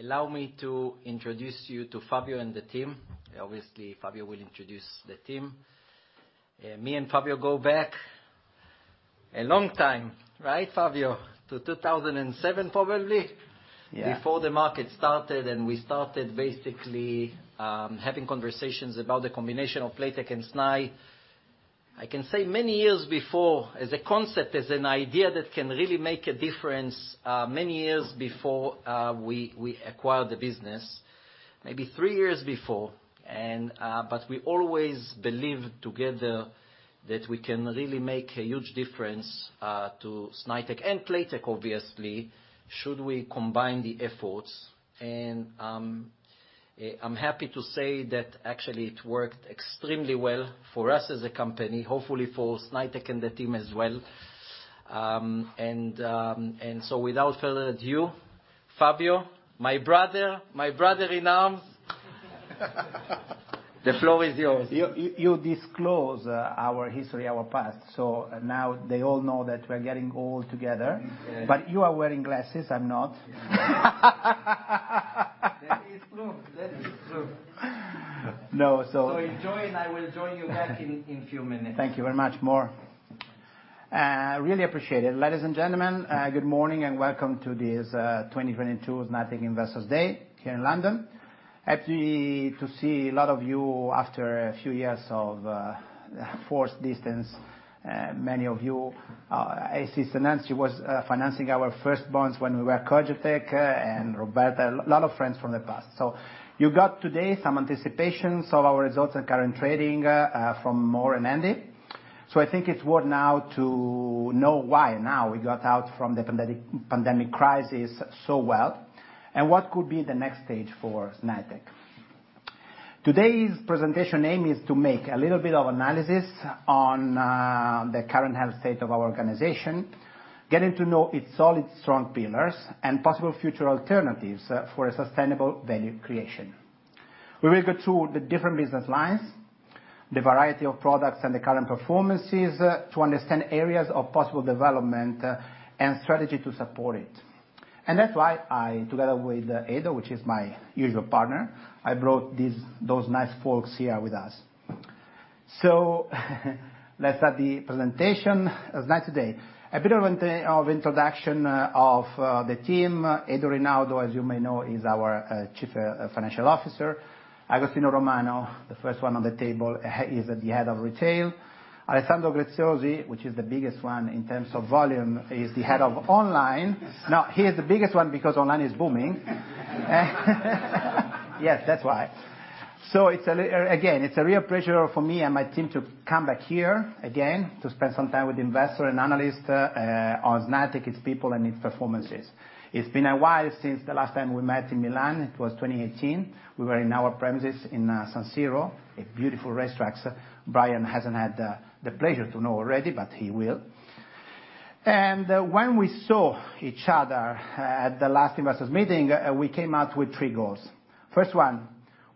Allow me to introduce you to Fabio and the team. Obviously, Fabio will introduce the team. Me and Fabio go back a long time. Right, Fabio? To 2007, probably. Yeah. Before the market started, and we started basically having conversations about the combination of Playtech and Snaitech. I can say many years before, as a concept, as an idea that can really make a difference, many years before, we acquired the business, maybe three years before. We always believed together that we can really make a huge difference to Snaitech and Playtech, obviously, should we combine the efforts. I'm happy to say that actually it worked extremely well for us as a company, hopefully for Snaitech and the team as well. Without further ado, Fabio, my brother in arms. The floor is yours. You disclose our history, our past, so now they all know that we're getting old together. Exactly. You are wearing glasses, I'm not. That is true. No. Enjoy, and I will join you back in a few minutes. Thank you very much, Mor. Really appreciate it. Ladies and gentlemen, good morning and welcome to this 2022 Snaitech Investors Day here in London. Happy to see a lot of you after a few years of forced distance, many of you. I see Susan, she was financing our first bonds when we were Cogetech, and Roberta, a lot of friends from the past. You got today some anticipations of our results and current trading from Mor and Andy. I think it's worth now to know why now we got out from the pandemic crisis so well, and what could be the next stage for Snaitech. Today's presentation aim is to make a little bit of analysis on the current health state of our organization, getting to know its solid, strong pillars and possible future alternatives for a sustainable value creation. We will go through the different business lines, the variety of products and the current performances to understand areas of possible development and strategy to support it. That's why I, together with Edo, which is my usual partner, I brought these nice folks here with us. Let's start the presentation of Snaitech Day. A bit of introduction of the team. Edo Rinaudo, as you may know, is our Chief Financial Officer. Agostino Romano, the first one on the table, he is the Head of Retail. Alessandro Graziosi, which is the biggest one in terms of volume, is the Head of Online. Now, he is the biggest one because online is booming. Yes, that's why. Again, it's a real pleasure for me and my team to come back here again to spend some time with investor and analyst on Snaitech, its people and its performances. It's been a while since the last time we met in Milan. It was 2018. We were in our premises in San Siro, a beautiful racetrack. Brian hasn't had the pleasure to know already, but he will. When we saw each other at the last investors meeting, we came out with three goals. First one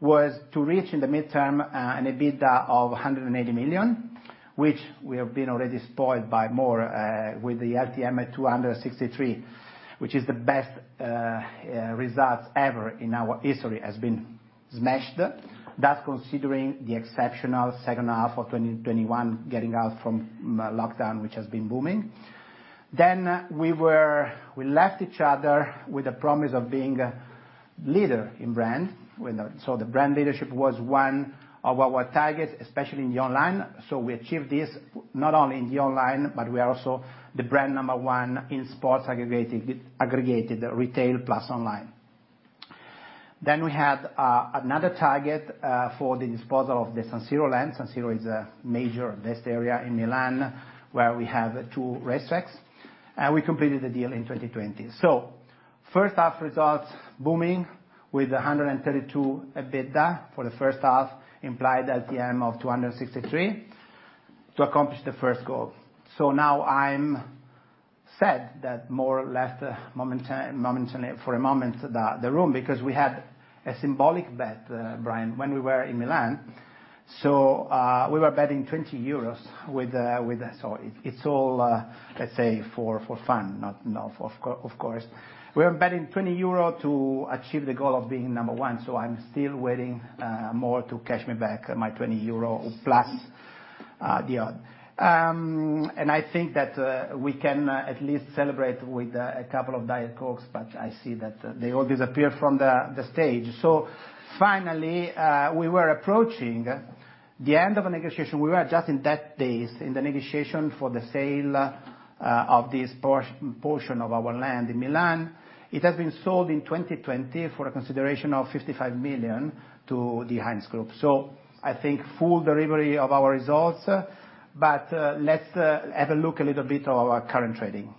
was to reach in the mid-term an EBITDA of 180 million, which we have been already spoiled by Mor with the LTM at 263 million, which is the best results ever in our history, has been smashed. That's considering the exceptional second half of 2021 getting out from lockdown, which has been booming. We left each other with a promise of being leader in brand. The brand leadership was one of our targets, especially in the online. We achieved this not only in the online, but we are also the brand number one in sports aggregated retail plus online. We had another target for the disposal of the San Siro land. San Siro is a major betting area in Milan where we have two racetracks, and we completed the deal in 2020. First half results booming with 132 EBITDA for the first half, implied LTM of 263 to accomplish the first goal. Now I'm sad that Mor left momentarily for a moment the room because we had a symbolic bet, Brian, when we were in Milan. We were betting 20 euros. It's all, let's say, for fun, not of course. We are betting 20 euro to achieve the goal of being number one. I'm still waiting, Mor to cash me back my 20+ euro the odds. I think that we can at least celebrate with a couple of Diet Cokes, but I see that they all disappear from the stage. Finally, we were approaching the end of a negotiation. We were just in that phase in the negotiation for the sale of this portion of our land in Milan. It has been sold in 2020 for a consideration of 55 million to the Hines Group. I think full delivery of our results, but let's have a look a little bit of our current trading.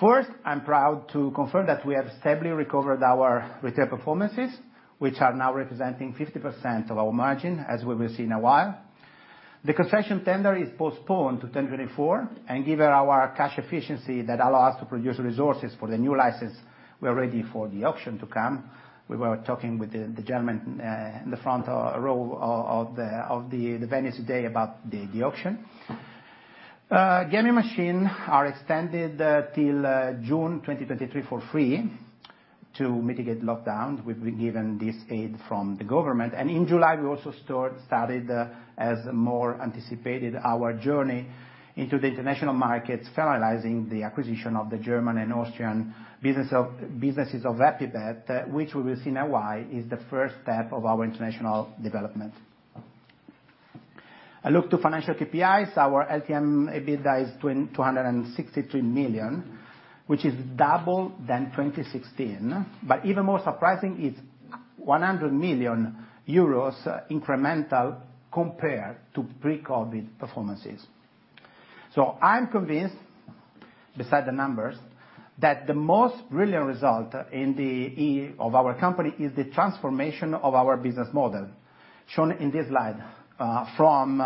First, I'm proud to confirm that we have stably recovered our retail performances, which are now representing 50% of our margin, as we will see in a while. The concession tender is postponed to 2024, and given our cash efficiency that allow us to produce resources for the new license, we are ready for the auction to come. We were talking with the gentleman in the front row of the Venice day about the auction. Gaming machines are extended till June 2023 for free to mitigate lockdown. We've been given this aid from the government. In July, we also started, as more anticipated, our journey into the international markets, finalizing the acquisition of the German and Austrian businesses of HappyBet, which we will see now why is the first step of our international development. A look to financial KPIs. Our LTM EBITDA is 263 million, which is double than 2016. Even more surprising is 100 million euros incremental compared to pre-COVID performances. I'm convinced, besides the numbers, that the most brilliant result in the E of our company is the transformation of our business model, shown in this slide. From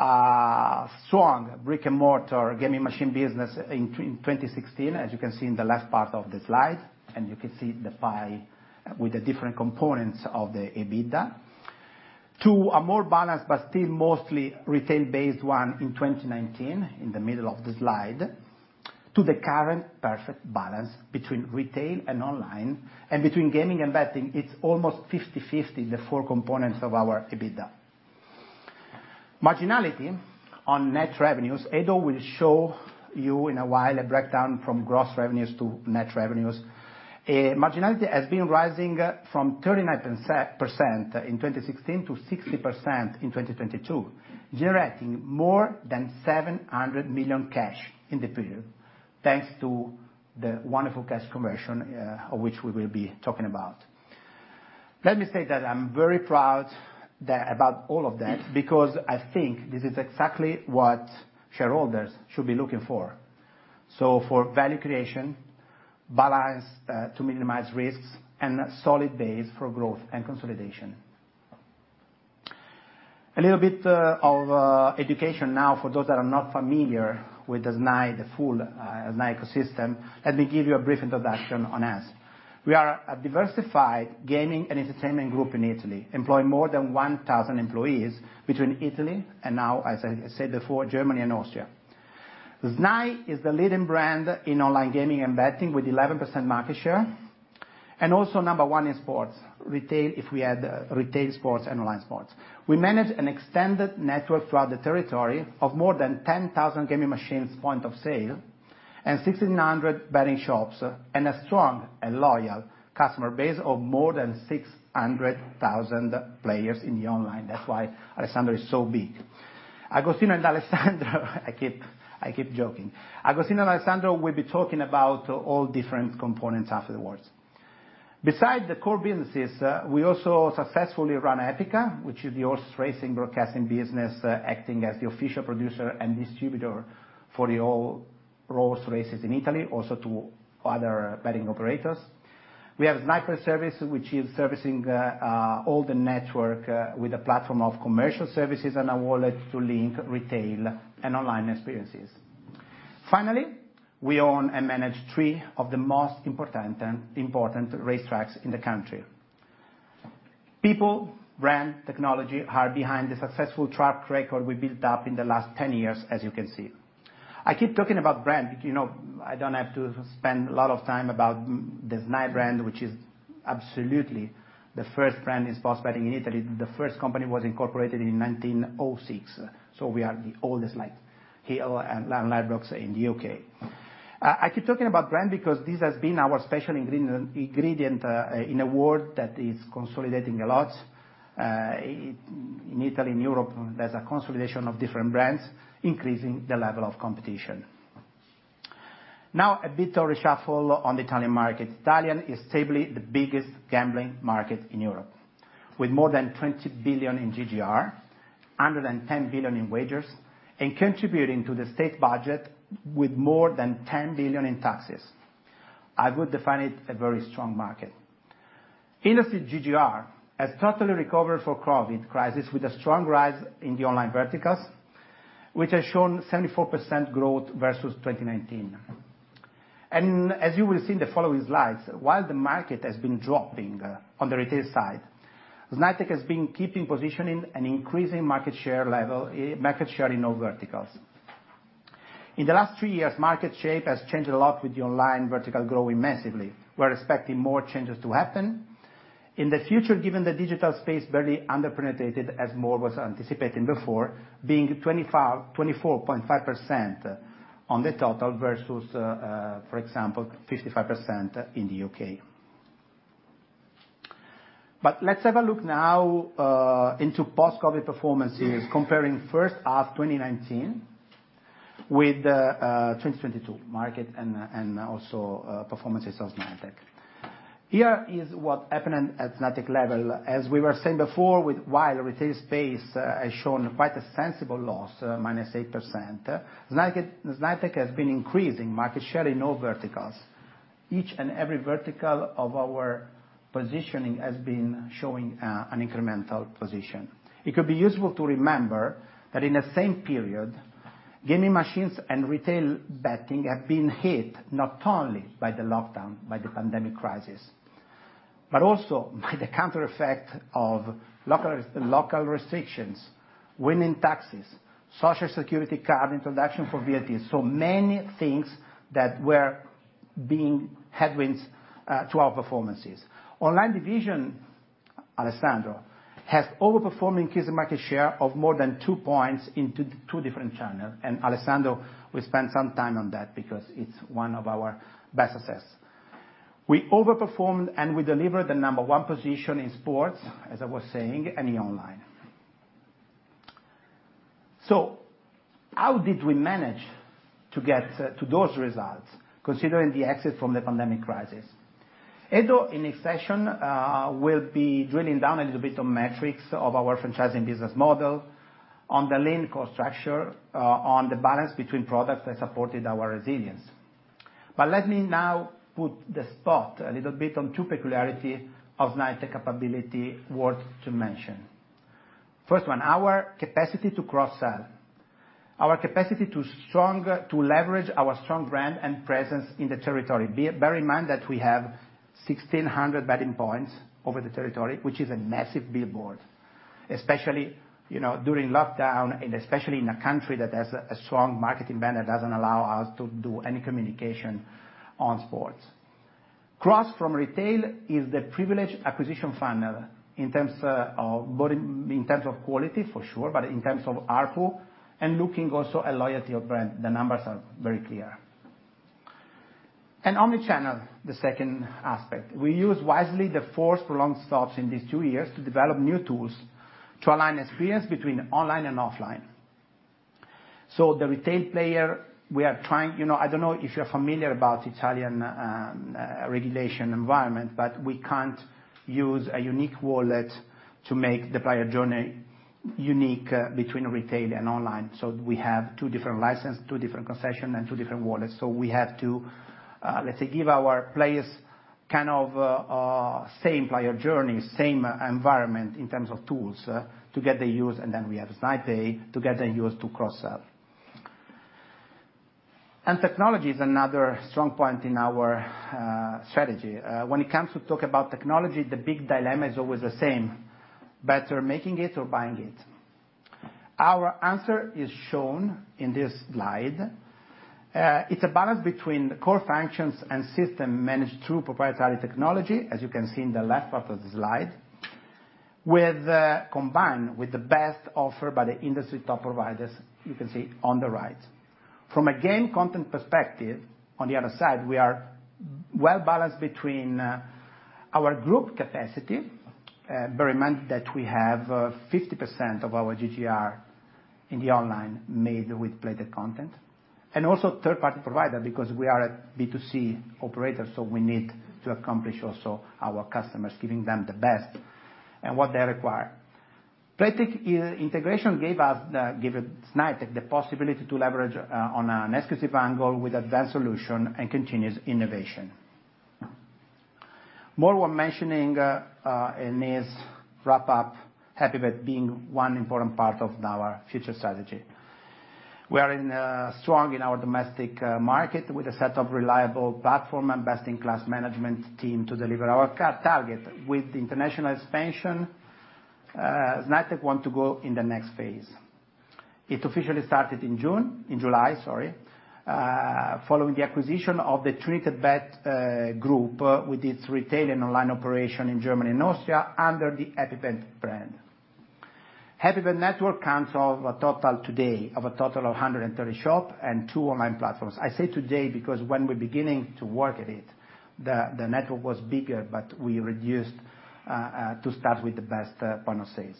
a strong brick-and-mortar gaming machine business in 2016, as you can see in the last part of the slide, and you can see the pie with the different components of the EBITDA. To a more balanced but still mostly retail-based one in 2019, in the middle of the slide, to the current perfect balance between retail and online and between gaming and betting. It's almost 50/50, the four components of our EBITDA. Marginality on net revenues. Edo will show you in a while a breakdown from gross revenues to net revenues. Marginality has been rising from 39% in 2016 to 60% in 2022, generating more than 700 million cash in the period, thanks to the wonderful cash conversion, which we will be talking about. Let me say that I'm very proud about all of that because I think this is exactly what shareholders should be looking for. For value creation, balance, to minimize risks, and a solid base for growth and consolidation. A little bit of education now for those that are not familiar with the SNAI, the full SNAI ecosystem. Let me give you a brief introduction on us. We are a diversified gaming and entertainment group in Italy, employing more than 1,000 employees between Italy and now, as I said before, Germany and Austria. SNAI is the leading brand in online gaming and betting, with 11% market share, and also number one in sports, retail, if we add retail sports and online sports. We manage an extended network throughout the territory of more than 10,000 gaming machines point of sale and 1,600 betting shops, and a strong and loyal customer base of more than 600,000 players in the online. That's why Alessandro is so big. Agostino and Alessandro I keep joking. Agostino and Alessandro will be talking about all different components afterwards. Besides the core businesses, we also successfully run Epiqa, which is the horse racing broadcasting business, acting as the official producer and distributor for all the horse races in Italy, also to other betting operators. We have Snai Service, which is servicing all the network with a platform of commercial services and a wallet to link retail and online experiences. Finally, we own and manage three of the most important racetracks in the country. People, brand, technology are behind the successful track record we built up in the last 10 years as you can see. I keep talking about brand. You know, I don't have to spend a lot of time about the Snai brand, which is absolutely the first brand in sports betting in Italy. The first company was incorporated in 1906, so we are the oldest, like Hill and Ladbrokes in the UK. I keep talking about brand because this has been our special ingredient in a world that is consolidating a lot. In Italy, in Europe, there's a consolidation of different brands, increasing the level of competition. Now, a bit of reshuffle on the Italian market. Italian is stably the biggest gambling market in Europe, with more than 20 billion in GGR, under 10 billion in wagers, and contributing to the state budget with more than 10 billion in taxes. I would define it a very strong market. Industry GGR has totally recovered from COVID crisis with a strong rise in the online verticals, which has shown 74% growth versus 2019. As you will see in the following slides, while the market has been dropping on the retail side, Snaitech has been keeping positioning and increasing market share level, market share in all verticals. In the last three years, market shape has changed a lot with the online vertical growing massively. We're expecting more changes to happen. In the future, given the digital space barely underpenetrated, as more was anticipating before, being 24.5% on the total versus, for example, 55% in the UK. Let's have a look now into post-COVID performances, comparing first half 2019 with the 2022 market and also performances of Snaitech. Here is what happened at Snaitech level. As we were saying before, while retail space has shown quite a sensible loss, -8%, Snaitech has been increasing market share in all verticals. Each and every vertical of our positioning has been showing an incremental position. It could be useful to remember that in the same period, gaming machines and retail betting have been hit not only by the lockdown, by the pandemic crisis, but also by the counter effect of local restrictions, winning taxes, social card, introduction for VAT. Many things that were being headwinds to our performances. Online division, Alessandro, has overperformed in case of market share of more than two points in two different channels. Alessandro will spend some time on that because it's one of our best success. We overperformed, and we delivered the number one position in sports, as I was saying, and in online. How did we manage to get to those results considering the exit from the pandemic crisis? Edo, in his session, will be drilling down a little bit on metrics of our franchising business model, on the lean core structure, on the balance between products that supported our resilience. Let me now put the spotlight a little bit on two peculiarity of Snaitech capability worth to mention. First one, our capacity to cross-sell. Our capacity to leverage our strong brand and presence in the territory. Bear in mind that we have 1,600 betting points over the territory, which is a massive billboard, especially, you know, during lockdown and especially in a country that has a strong marketing ban that doesn't allow us to do any communication on sports. Cross from retail is the privileged acquisition funnel in terms of quality for sure, but in terms of ARPU, and looking also at loyalty of brand. The numbers are very clear. Omnichannel, the second aspect. We used wisely the forced prolonged stops in these two years to develop new tools to align experience between online and offline. The retail player. You know, I don't know if you're familiar with Italian regulatory environment, but we can't use a unique wallet to make the player journey unique between retail and online. We have two different licenses, two different concessions and two different wallets. We have to, let's say, give our players kind of same player journey, same environment in terms of tools to get the user, and then we have Snaipay to get the user to cross-sell. Technology is another strong point in our strategy. When it comes to talk about technology, the big dilemma is always the same, better making it or buying it? Our answer is shown in this slide. It's a balance between the core functions and system managed through proprietary technology, as you can see in the left part of the slide, with, combined with the best offer by the industry top providers you can see on the right. From a game content perspective, on the other side, we are well-balanced between, our group capacity, bear in mind that we have 50% of our GGR in the online made with Playtech content, and also third-party provider because we are a B2C operator, so we need to accomplish also our customers, giving them the best and what they require. Playtech integration gave Snaitech the possibility to leverage on an exclusive angle with advanced solution and continuous innovation. More worth mentioning in this wrap up, HappyBet being one important part of our future strategy. We are strong in our domestic market with a set of reliable platform and best-in-class management team to deliver our co-target. With international expansion, Snaitech want to go in the next phase. It officially started in June. In July, sorry, following the acquisition of the Trinity Bet group with its retail and online operation in Germany and Austria under the HappyBet brand. HappyBet network counts a total today of 130 shops and two online platforms. I say today because when we're beginning to work at it, the network was bigger, but we reduced to start with the best point of sales.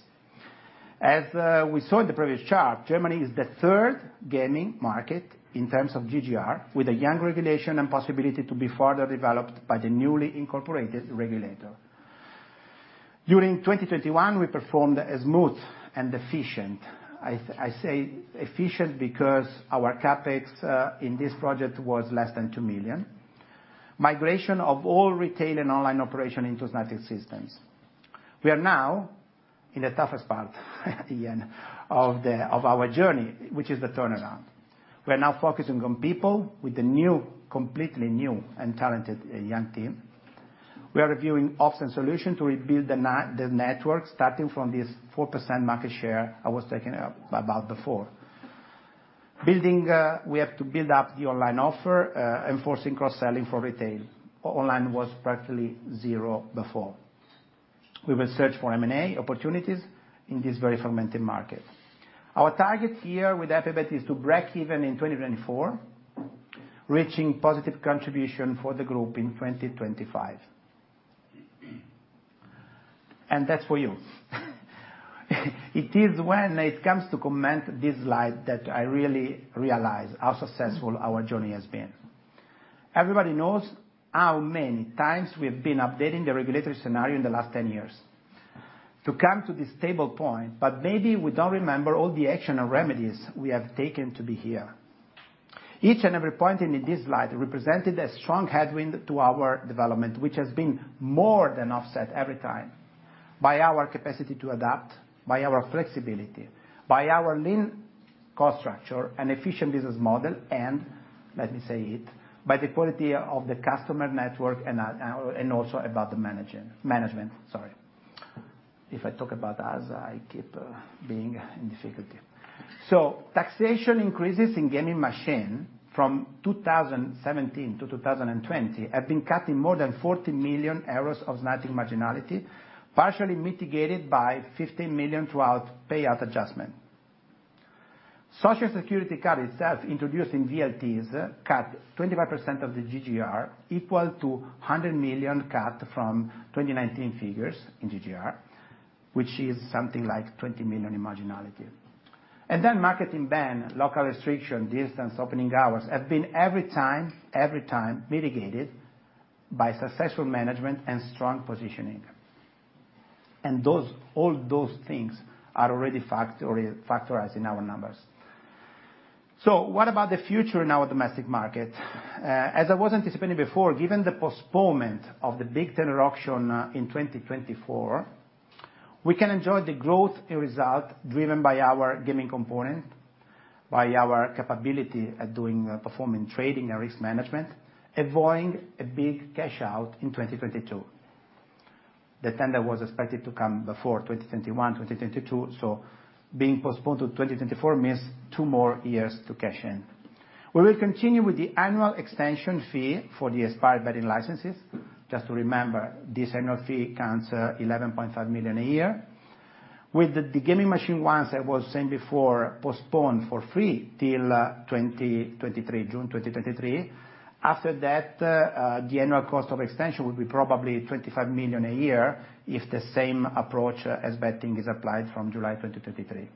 As we saw in the previous chart, Germany is the third gaming market in terms of GGR, with a young regulation and possibility to be further developed by the newly incorporated regulator. During 2021, we performed a smooth and efficient. I say efficient because our CapEx in this project was less than 2 million. Migration of all retail and online operation into Snaitech systems. We are now in the toughest part, Ian, of our journey, which is the turnaround. We are now focusing on people with a new, completely new and talented and young team. We are reviewing ops and solution to rebuild the network, starting from this 4% market share I was talking about before. We have to build up the online offer, enforcing cross-selling for retail. Online was practically zero before. We will search for M&A opportunities in this very fragmented market. Our target here with HappyBet is to break even in 2024, reaching positive contribution for the group in 2025. That's for you. It is when it comes to comment this slide that I really realize how successful our journey has been. Everybody knows how many times we've been updating the regulatory scenario in the last 10 years to come to this stable point, but maybe we don't remember all the action and remedies we have taken to be here. Each and every point in this slide represented a strong headwind to our development, which has been more than offset every time by our capacity to adapt, by our flexibility, by our lean cost structure, an efficient business model, and let me say it, by the quality of the customer network and also about the management. Sorry. If I talk about us, I keep being in difficulty. Taxation increases in gaming machine from 2017 to 2020 have been cutting more than 40 million euros of net marginality, partially mitigated by 15 million throughout payout adjustment. Social Security cut itself introduced in VLTs cut 25% of the GGR, equal to 100 million cut from 2019 figures in GGR, which is something like 20 million in marginality. Marketing ban, local restriction, distance, opening hours, have been every time mitigated by successful management and strong positioning. Those, all those things are already factorized in our numbers. What about the future in our domestic market? As I was anticipating before, given the postponement of the big tender auction in 2024, we can enjoy the growth in result driven by our gaming component, by our capability at doing performing trading and risk management, avoiding a big cash out in 2022. The tender was expected to come before 2021, 2022, so being postponed to 2024 means two more years to cash in. We will continue with the annual extension fee for the expired betting licenses. Just to remember, this annual fee counts 11.5 million a year. With the gaming machine ones, I was saying before, postponed for free till June 2023. After that, the annual cost of extension will be probably 25 million a year if the same approach as betting is applied from July 2023.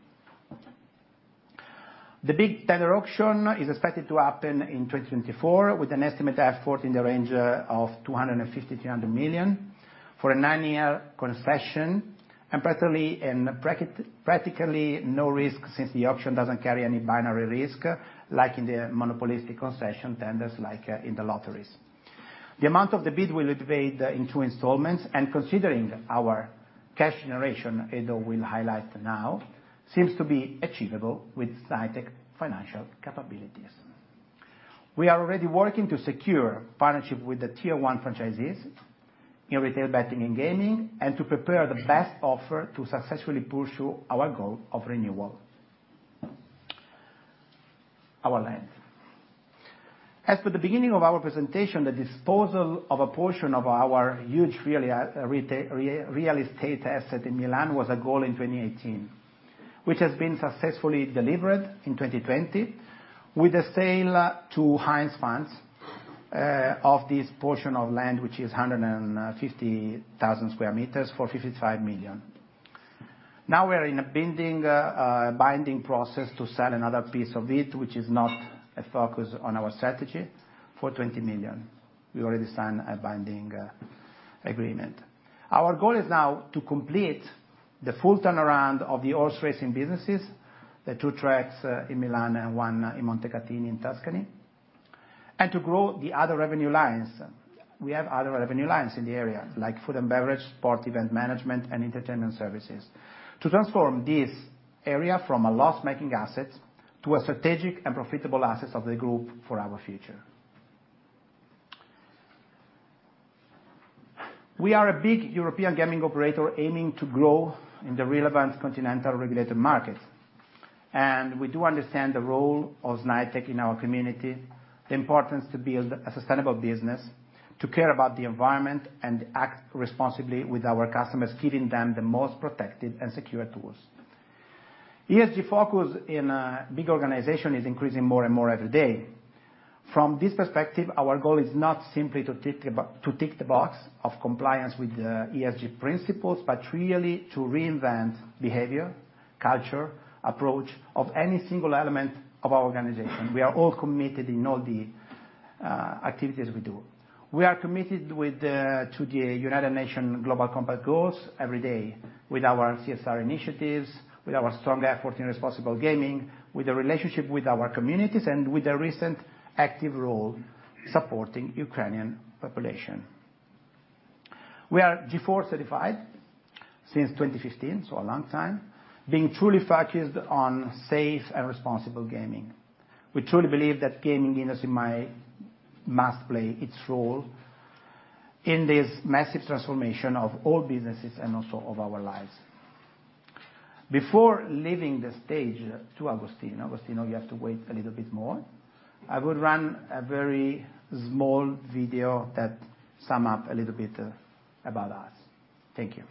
The big tender auction is expected to happen in 2024, with an estimated effort in the range of 250-300 million for a 9-year concession, and practically no risk since the auction doesn't carry any binary risk, like in the monopolistic concession tenders like in the lotteries. The amount of the bid will be paid in two installments, and considering our cash generation, Edo will highlight now, seems to be achievable with Snaitech financial capabilities. We are already working to secure partnership with the tier one franchisees in retail betting and gaming, and to prepare the best offer to successfully pursue our goal of renewal. Our land. As for the beginning of our presentation, the disposal of a portion of our huge real estate asset in Milan was a goal in 2018, which has been successfully delivered in 2020, with the sale to Hines Funds of this portion of land, which is 150,000 square meters for 55 million. Now we're in a binding process to sell another piece of it, which is not a focus on our strategy, for 20 million. We already signed a binding agreement. Our goal is now to complete the full turnaround of the horse racing businesses, the two tracks in Milan and one in Montecatini in Tuscany, and to grow the other revenue lines. We have other revenue lines in the area, like food and beverage, sport event management, and entertainment services, to transform this area from a loss-making asset to a strategic and profitable asset of the group for our future. We are a big European gaming operator aiming to grow in the relevant continental regulated markets, and we do understand the role of Snaitech in our community, the importance to build a sustainable business, to care about the environment, and act responsibly with our customers, giving them the most protected and secure tools. ESG focus in a big organization is increasing more and more every day. From this perspective, our goal is not simply to tick the box of compliance with the ESG principles, but really to reinvent behavior, culture, approach of any single element of our organization. We are all committed in all the activities we do. We are committed to the United Nations Global Compact Goals every day with our CSR initiatives, with our strong effort in responsible gaming, with the relationship with our communities, and with the recent active role supporting Ukrainian population. We are G4-certified since 2015, so a long time, being truly focused on safe and responsible gaming. We truly believe that gaming industry must play its role in this massive transformation of all businesses and also of our lives. Before leaving the stage to Agostino, you have to wait a little bit more. I would run a very small video that sums up a little bit about us. Thank you.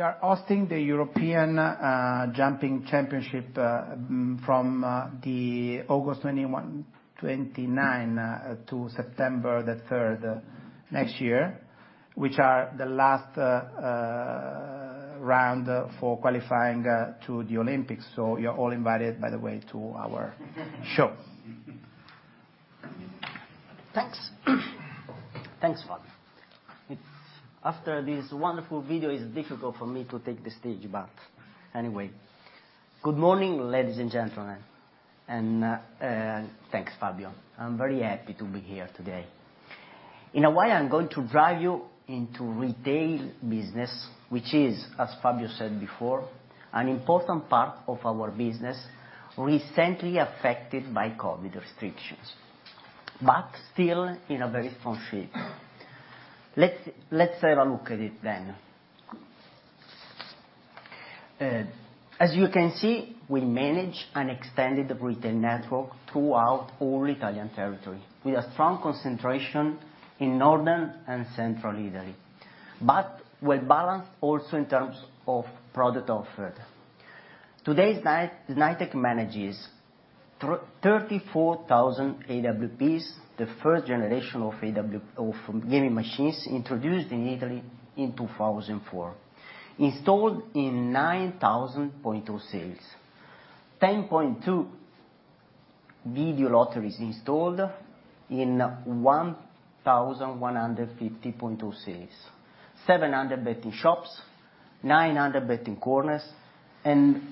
By the way, we are hosting the European Jumping Championship from August 29 to September 3rd next year, which are the last round for qualifying to the Olympics. You're all invited, by the way, to our show. Thanks. Thanks, Fabio. After this wonderful video, it's difficult for me to take the stage, but anyway. Good morning, ladies and gentlemen, and thanks, Fabio. I'm very happy to be here today. In a way, I'm going to dive you into retail business, which is, as Fabio said before, an important part of our business recently affected by COVID restrictions, but still in a very strong shape. Let's have a look at it then. As you can see, we manage an extended retail network throughout all Italian territory, with a strong concentration in Northern and Central Italy, but we're balanced also in terms of product offered. Today, Snaitech manages 34,000 AWPs, the first generation of AWP or gaming machines introduced in Italy in 2004, installed in 9,000 points-of-sale, 10.2 video lotteries installed in 1,150 points-of-sale, 700 betting shops, 900 betting corners, and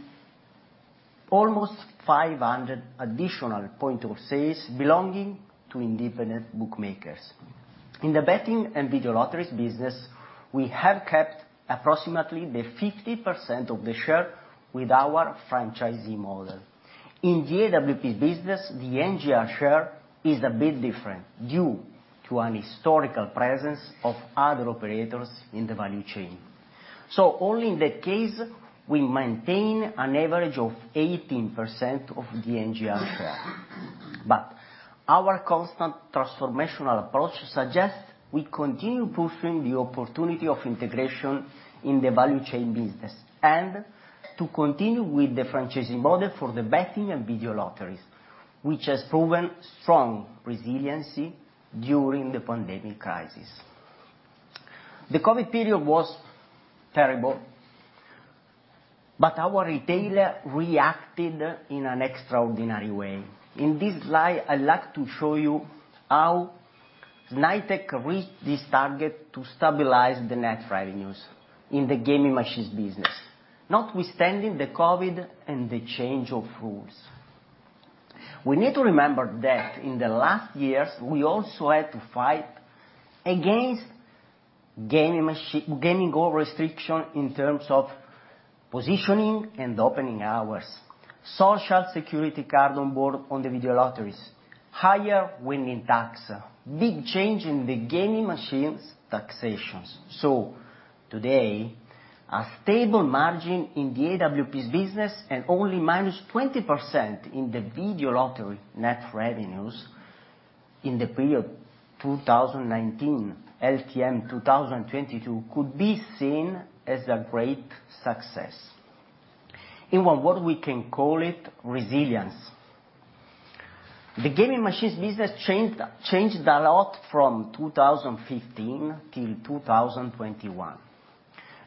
almost 500 additional points of sale belonging to independent bookmakers. In the betting and video lotteries business, we have kept approximately 50% of the share with our franchisee model. In the AWP business, the NGR share is a bit different due to an historical presence of other operators in the value chain. Only in that case we maintain an average of 18% of the NGR share. Our constant transformational approach suggests we continue pursuing the opportunity of integration in the value chain business and to continue with the franchising model for the betting and video lotteries, which has proven strong resiliency during the pandemic crisis. The COVID period was terrible, but our retailer reacted in an extraordinary way. In this slide, I'd like to show you how Snaitech reached this target to stabilize the net revenues in the gaming machines business, notwithstanding the COVID and the change of rules. We need to remember that in the last years, we also had to fight against gaming hall restrictions in terms of positioning and opening hours, social card on board on the video lotteries, higher winning tax, big change in the gaming machines taxations. Today, a stable margin in the AWP's business and only -20% in the video lottery net revenues in the period 2019, LTM 2022 could be seen as a great success. In one word we can call it resilience. The gaming machines business changed a lot from 2015 till 2021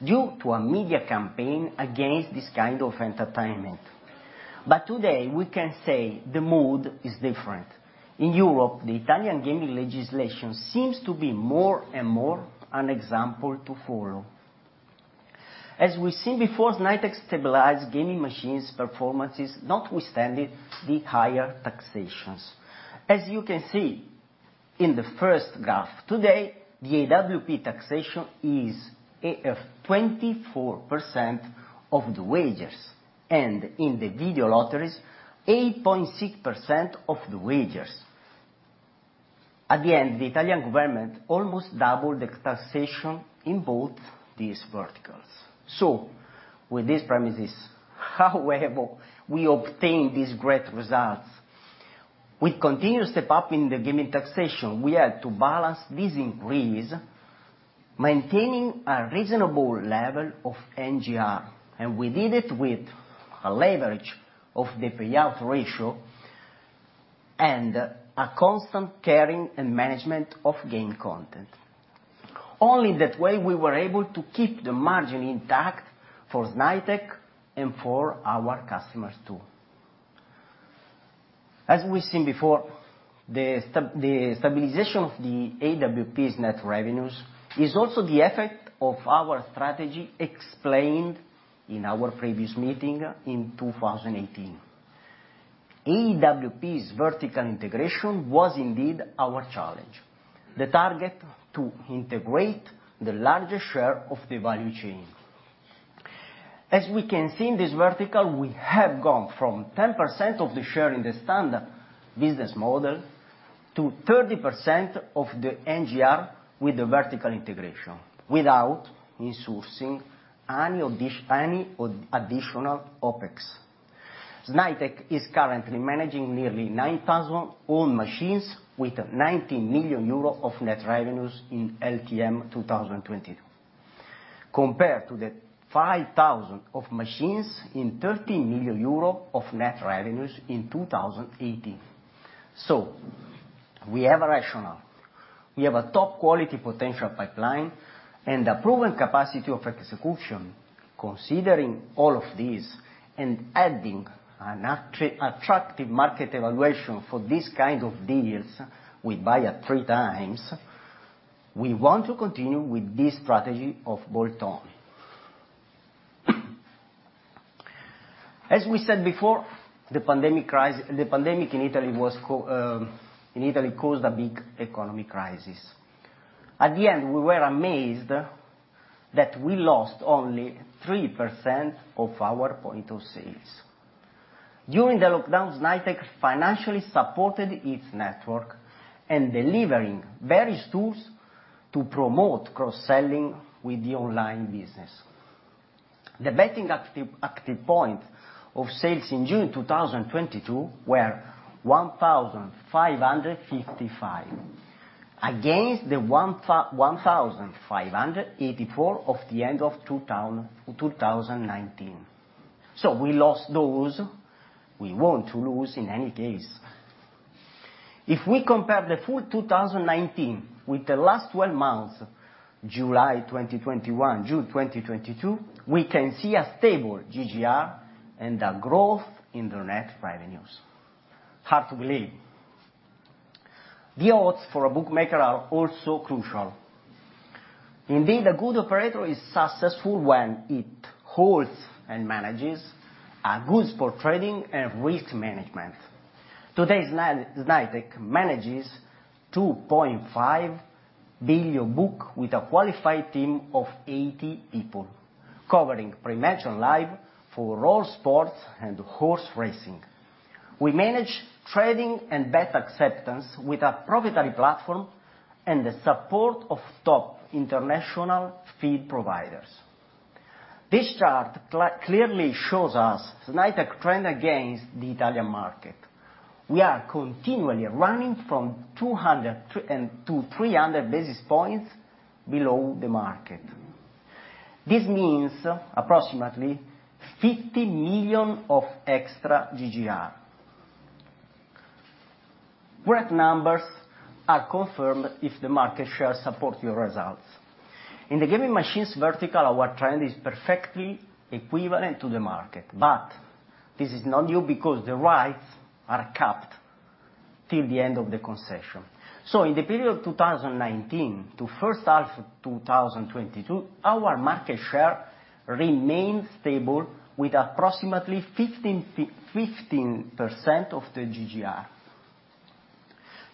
due to a media campaign against this kind of entertainment. Today, we can say the mood is different. In Europe, the Italian gaming legislation seems to be more and more an example to follow. As we've seen before, Snaitech stabilized gaming machines performances, notwithstanding the higher taxations. As you can see in the first graph, today, the AWP taxation is at 24% of the wagers, and in the video lotteries, 8.6% of the wagers. At the end, the Italian government almost doubled the taxation in both these verticals. With this premises, how have we obtained these great results? With continuous step up in the gaming taxation, we had to balance this increase, maintaining a reasonable level of NGR, and we did it with a leverage of the payout ratio. A constant caring and management of game content. Only that way we were able to keep the margin intact for Snaitech and for our customers too. As we've seen before, the stabilization of the AWP's net revenues is also the effect of our strategy explained in our previous meeting in 2018. AWP's vertical integration was indeed our challenge. The target to integrate the largest share of the value chain. As we can see in this vertical, we have gone from 10% of the share in the standard business model to 30% of the NGR with the vertical integration without insourcing any additional OpEx. Snaitech is currently managing nearly 9,000 own machines with 19 million euro of net revenues in LTM 2020. Compared to the 5,000 of machines and 30 million euro of net revenues in 2018. We have a rationale. We have a top quality potential pipeline and a proven capacity of execution. Considering all of these and adding an attractive market evaluation for these kind of deals with buyer three times, we want to continue with this strategy of bolt-on. As we said before, the pandemic in Italy caused a big economic crisis. At the end, we were amazed that we lost only 3% of our point of sales. During the lockdown, Snaitech financially supported its network and delivering various tools to promote cross-selling with the online business. The betting active point of sales in June 2022 were 1,555, against the 1,584 of the end of 2019. We lost those we won't lose in any case. If we compare the full 2019 with the last twelve months, July 2021, June 2022, we can see a stable GGR and a growth in the net revenues. Hard to believe. The odds for a bookmaker are also crucial. Indeed, a good operator is successful when it holds and manages a good sport trading and risk management. Today, Snaitech manages 2.5 billion book with a qualified team of 80 people, covering pre-match and live for all sports and horse racing. We manage trading and bet acceptance with a proprietary platform and the support of top international feed providers. This chart clearly shows us Snaitech trend against the Italian market. We are continually running 200-300 basis points below the market. This means approximately 50 million of extra GGR. Great numbers are confirmed if the market share support your results. In the gaming machines vertical, our trend is perfectly equivalent to the market. This is not new, because the rights are capped till the end of the concession. In the period 2019 to first half 2022, our market share remained stable with approximately 15% of the GGR.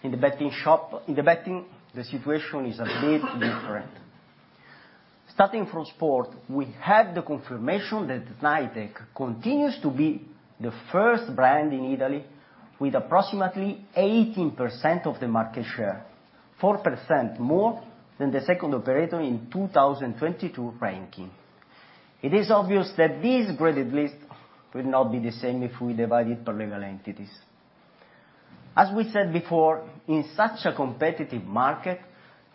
In the betting, the situation is a bit different. Starting from sport, we have the confirmation that Snaitech continues to be the first brand in Italy with approximately 18% of the market share, 4% more than the second operator in 2022 ranking. It is obvious that this graded list would not be the same if we divided per legal entities. As we said before, in such a competitive market,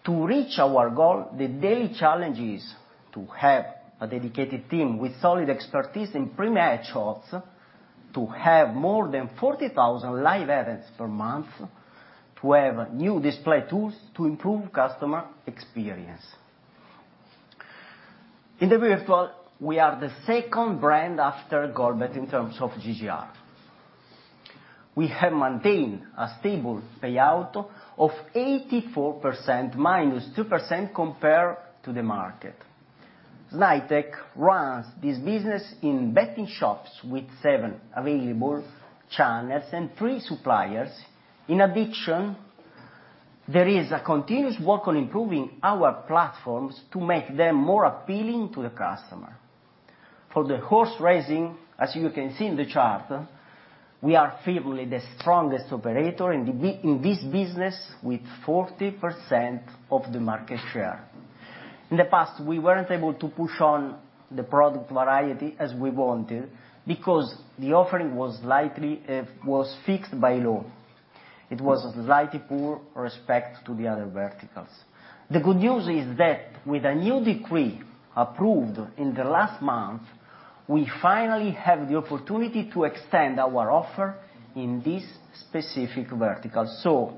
to reach our goal, the daily challenge is to have a dedicated team with solid expertise in pre-match odds, to have more than 40,000 live events per month, to have new display tools to improve customer experience. In the virtual, we are the second brand after GoldBet in terms of GGR. We have maintained a stable payout of 84%, -2% compared to the market. Snaitech runs this business in betting shops with seven available channels and three suppliers. In addition, there is a continuous work on improving our platforms to make them more appealing to the customer. For the horse racing, as you can see in the chart, we are firmly the strongest operator in this business with 40% of the market share. In the past, we weren't able to push on the product variety as we wanted because the offering was slightly fixed by law. It was slightly poor with respect to the other verticals. The good news is that with a new decree approved in the last month, we finally have the opportunity to extend our offer in this specific vertical, so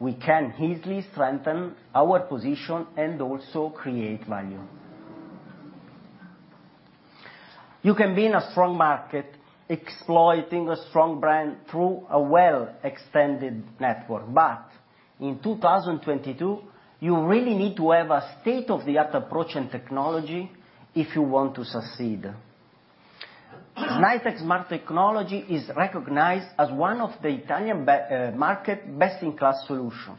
we can easily strengthen our position and also create value. You can be in a strong market, exploiting a strong brand through a well extended network, but in 2022, you really need to have a state-of-the-art approach and technology if you want to succeed. Snaitech smart technology is recognized as one of the Italian market best-in-class solution.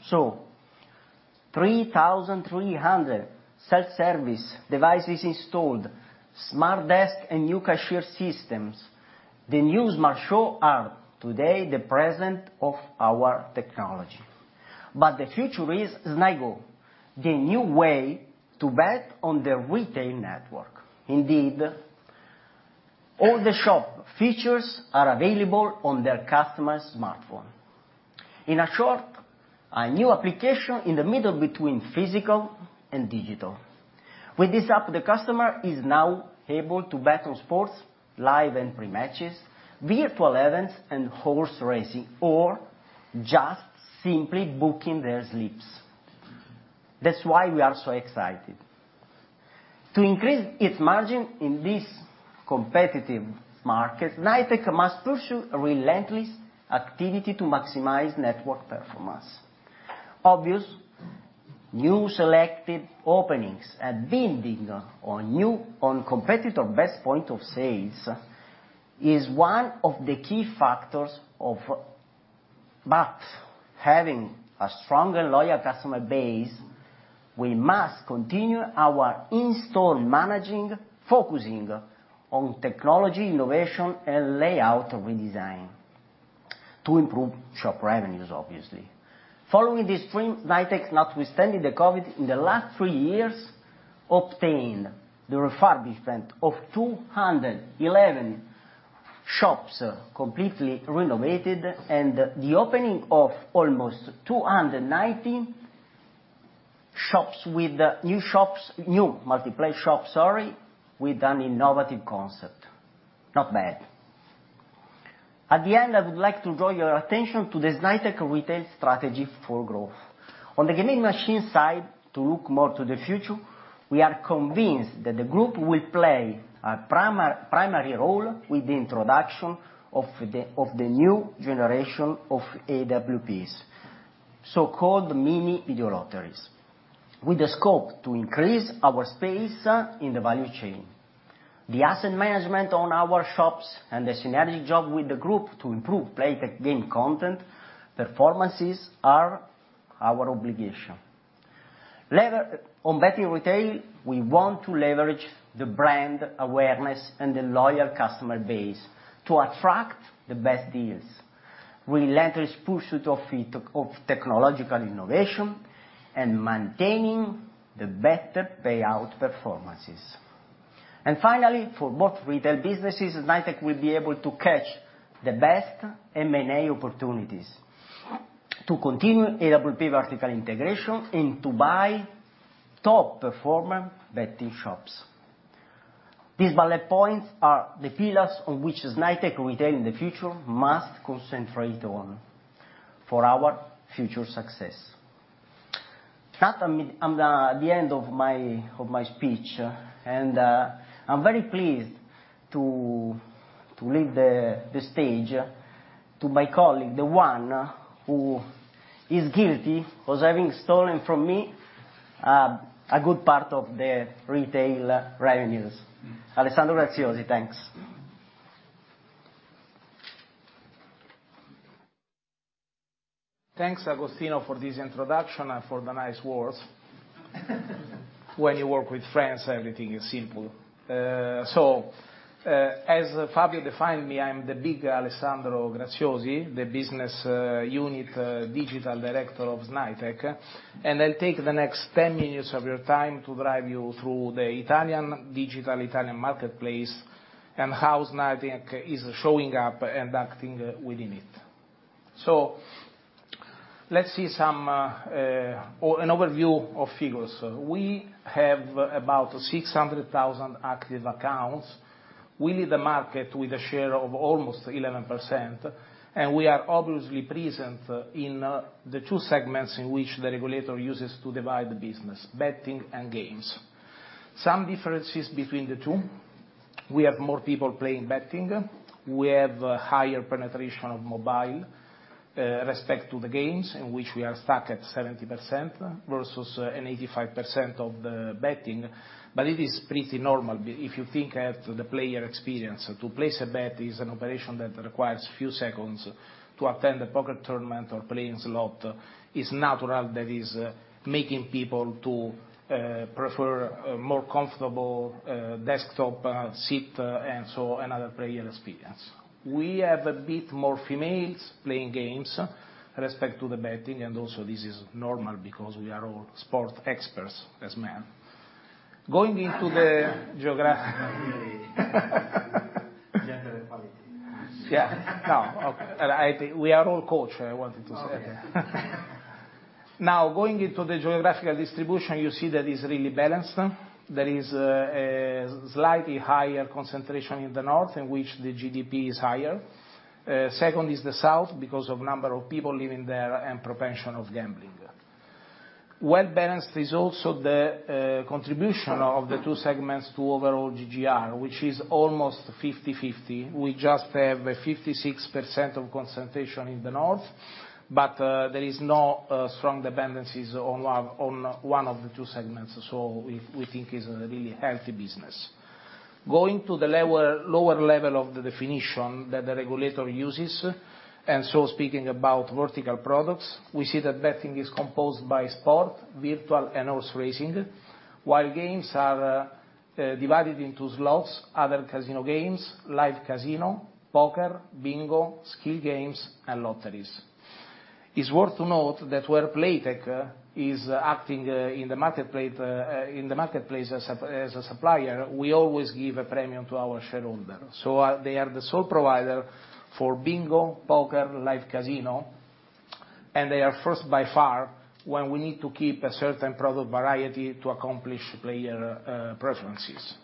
3,300 self-service devices installed, smart desk and new cashier systems. The new smart show are today the present of our technology. The future is Snago, the new way to bet on the retail network. Indeed, all the shop features are available on their customers' smartphone. In short, a new application in the middle between physical and digital. With this app, the customer is now able to bet on sports, live and pre-matches, virtual events and horse racing, or just simply booking their slips. That's why we are so excited. To increase its margin in this competitive market, Snaitech must pursue a relentless activity to maximize network performance. Obviously, new selected openings and building on new, on competitor best points of sale is one of the key factors of, but having a strong and loyal customer base, we must continue our in-store managing, focusing on technology, innovation and layout redesign to improve shop revenues, obviously. Following this trend, Snaitech, notwithstanding the COVID in the last three years, obtained the refurbishment of 211 shops completely renovated, and the opening of almost 290 shops with new multiplayer shops, sorry, with an innovative concept. Not bad. At the end, I would like to draw your attention to the Snaitech retail strategy for growth. On the gaming machine side, to look more to the future, we are convinced that the group will play a primary role with the introduction of the new generation of AWPs, so-called mini video lotteries, with the scope to increase our space in the value chain. The asset management on our shops and the synergy job with the group to improve Playtech game content performances are our obligation. On betting retail, we want to leverage the brand awareness and the loyal customer base to attract the best deals. Relentless pursuit of technological innovation and maintaining the better payout performances. Finally, for both retail businesses, Snaitech will be able to catch the best M&A opportunities to continue AWP vertical integration and to buy top performer betting shops. These bullet points are the pillars on which Snaitech retail in the future must concentrate on for our future success. I'm done, the end of my speech. I'm very pleased to leave the stage to my colleague, the one who is guilty of having stolen from me, a good part of the retail revenues. Alessandro Graziosi. Thanks. Thanks, Agostino, for this introduction and for the nice words. When you work with friends, everything is simple. As Fabio defined me, I'm the big Alessandro Graziosi, the Business Unit Digital Director of Snaitech. I'll take the next 10 minutes of your time to drive you through the Italian digital Italian marketplace and how Snaitech is showing up and acting within it. Let's see some an overview of figures. We have about 600,000 active accounts. We lead the market with a share of almost 11%, and we are obviously present in the two segments in which the regulator uses to divide the business, betting and games. Some differences between the two, we have more people playing betting. We have a higher penetration of mobile with respect to the games in which we are stuck at 70% versus an 85% of the betting. It is pretty normal if you think at the player experience. To place a bet is an operation that requires few seconds. To attend a poker tournament or play in slot is natural that is making people to prefer a more comfortable desktop seat and so another player experience. We have a bit more females playing games with respect to the betting and also this is normal because we are all sport experts as men. Going into the geographic. Yeah. No. Okay. I think we are all coach. I wanted to say that. Okay. Now going into the geographical distribution, you see that it's really balanced. There is a slightly higher concentration in the north, in which the GDP is higher. Second is the south because of number of people living there and propensity of gambling. Well-balanced is also the contribution of the two segments to overall GGR, which is almost 50/50. We just have a 56% concentration in the north, but there is no strong dependencies on one of the two segments. We think it's a really healthy business. Going to the lower level of the definition that the regulator uses, speaking about vertical products, we see that betting is composed by sport, virtual, and horse racing. While games are divided into slots, other casino games, live casino, poker, bingo, skill games, and lotteries. It's worth to note that where Playtech is acting in the marketplace as a supplier, we always give a premium to our shareholder. They are the sole provider for bingo, poker, live casino, and they are first by far when we need to keep a certain product variety to accomplish player preferences.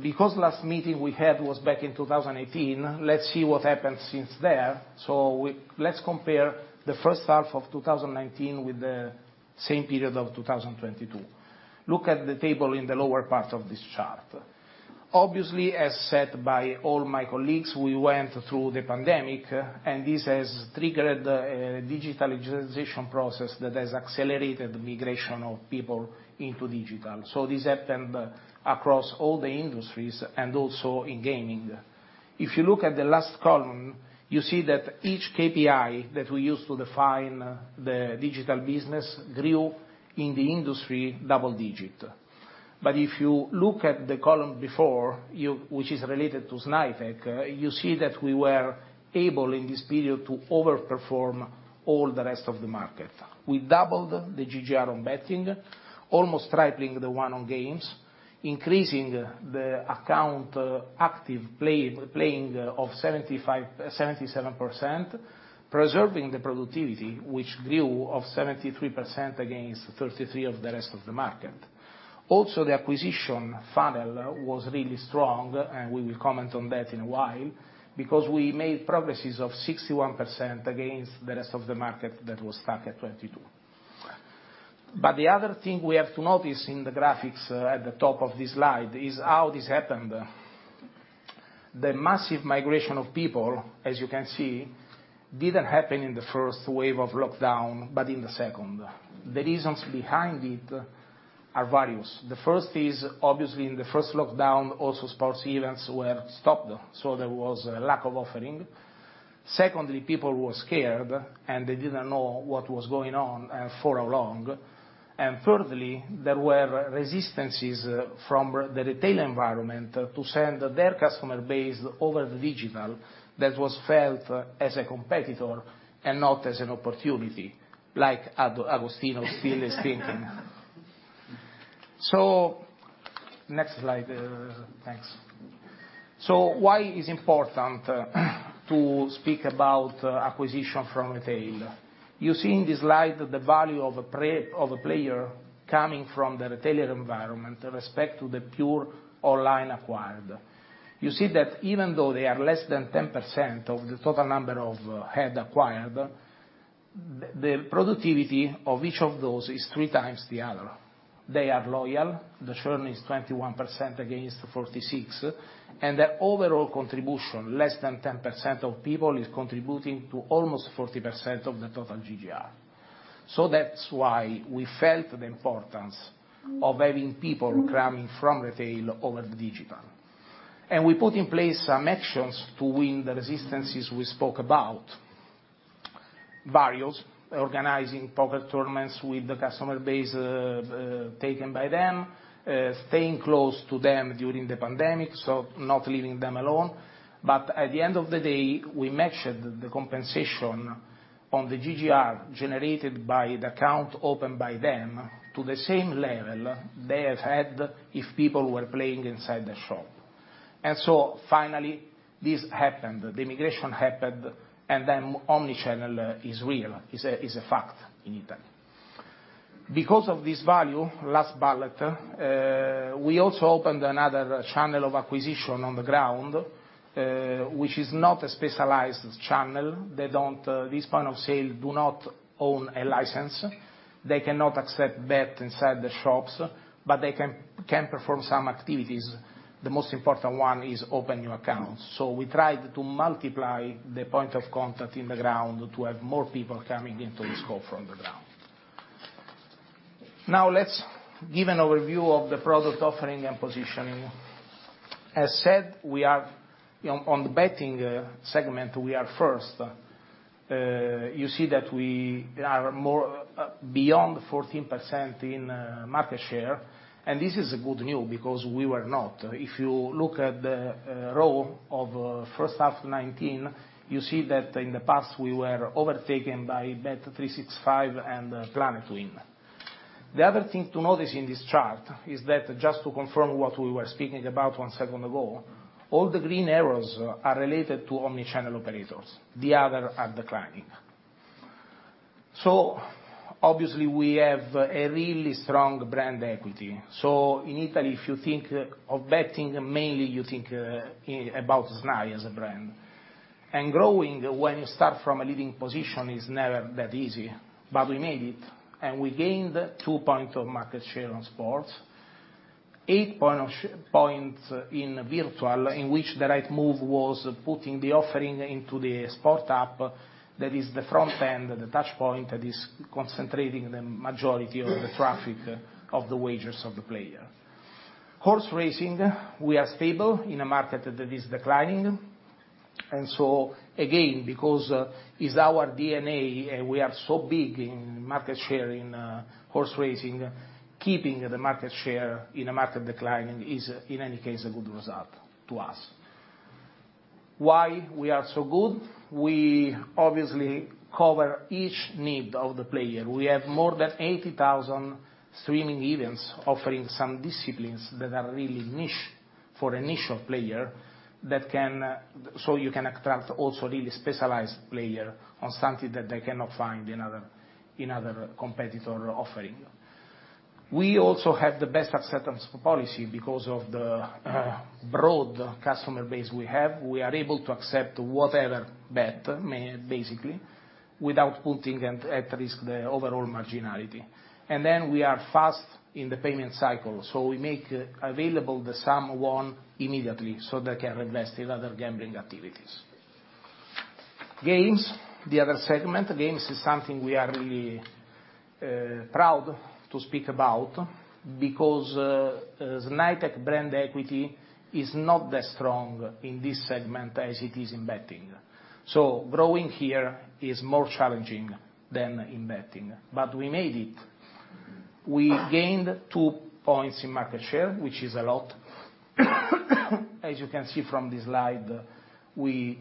Because last meeting we had was back in 2018, let's see what happened since there. Let's compare the first half of 2019 with the same period of 2022. Look at the table in the lower part of this chart. Obviously, as said by all my colleagues, we went through the pandemic, and this has triggered a digital legalization process that has accelerated migration of people into digital. This happened across all the industries, and also in gaming. If you look at the last column, you see that each KPI that we use to define the digital business grew in the industry double-digit. If you look at the column before, which is related to Snaitech, you see that we were able in this period to overperform all the rest of the market. We doubled the GGR on betting, almost tripling the one on games, increasing the account active playing of 75%-77%, preserving the productivity, which grew of 73% against 33% of the rest of the market. The acquisition funnel was really strong, and we will comment on that in a while, because we made progresses of 61% against the rest of the market that was stuck at 22%. The other thing we have to notice in the graphics at the top of this slide is how this happened. The massive migration of people, as you can see, didn't happen in the first wave of lockdown, but in the second. The reasons behind it are various. The first is obviously in the first lockdown, also sports events were stopped, so there was a lack of offering. Secondly, people were scared, and they didn't know what was going on and for how long. And thirdly, there were resistances from the retail environment to send their customer base over the digital that was felt as a competitor and not as an opportunity, like Agostino still is thinking. Next slide. Thanks. Why it's important to speak about acquisition from retail? You see in this slide the value of a player coming from the retailer environment in respect to the pure online acquired. You see that even though they are less than 10% of the total number of head acquired, the productivity of each of those is three times the other. They are loyal. The churn is 21% against 46. The overall contribution, less than 10% of people, is contributing to almost 40% of the total GGR. That's why we felt the importance of having people coming from retail over the digital. We put in place some actions to win the resistances we spoke about. Various. Organizing poker tournaments with the customer base, taken by them, staying close to them during the pandemic, so not leaving them alone. At the end of the day, we matched the compensation on the GGR generated by the account opened by them to the same level they had had if people were playing inside the shop. Finally, this happened. The migration happened, and then omni-channel is real, is a fact in Italy. Because of this value, last bullet, we also opened another channel of acquisition on the ground, which is not a specialized channel. They don't. This point of sale do not own a license. They cannot accept bet inside the shops, but they can perform some activities. The most important one is open new accounts. We tried to multiply the point of contact in the ground to have more people coming into the scope from the ground. Now let's give an overview of the product offering and positioning. As said, we are, you know, on the betting segment, we are first. You see that we are more beyond 14% in market share, and this is good news because we were not. If you look at the row of first half 2019, you see that in the past we were overtaken by bet365 and Planetwin365. The other thing to notice in this chart is that just to confirm what we were speaking about one second ago, all the green arrows are related to omni-channel operators. The other are declining. Obviously, we have a really strong brand equity. In Italy, if you think of betting, mainly you think about SNAI as a brand. Growing when you start from a leading position is never that easy, but we made it, and we gained two points of market share on sports, eight points in virtual, in which the right move was putting the offering into the sport app. That is the front end, the touch point that is concentrating the majority of the traffic of the wagers of the player. Horse racing, we are stable in a market that is declining. Because it's our DNA, and we are so big in market share in horse racing, keeping the market share in a market decline is in any case a good result to us. Why we are so good? We obviously cover each need of the player. We have more than 80,000 streaming events offering some disciplines that are really niche for a niche player that can. You can attract also really specialized players on something that they cannot find in other competitors' offerings. We also have the best acceptance policy. Because of the broad customer base we have, we are able to accept whatever bet, basically, without putting at risk the overall marginality. Then we are fast in the payment cycle, so we make available the sum won immediately, so they can reinvest in other gambling activities. Games, the other segment. Games is something we are really proud to speak about because Snaitech brand equity is not that strong in this segment as it is in betting. Growing here is more challenging than in betting. We made it. We gained two points in market share, which is a lot. As you can see from this slide, we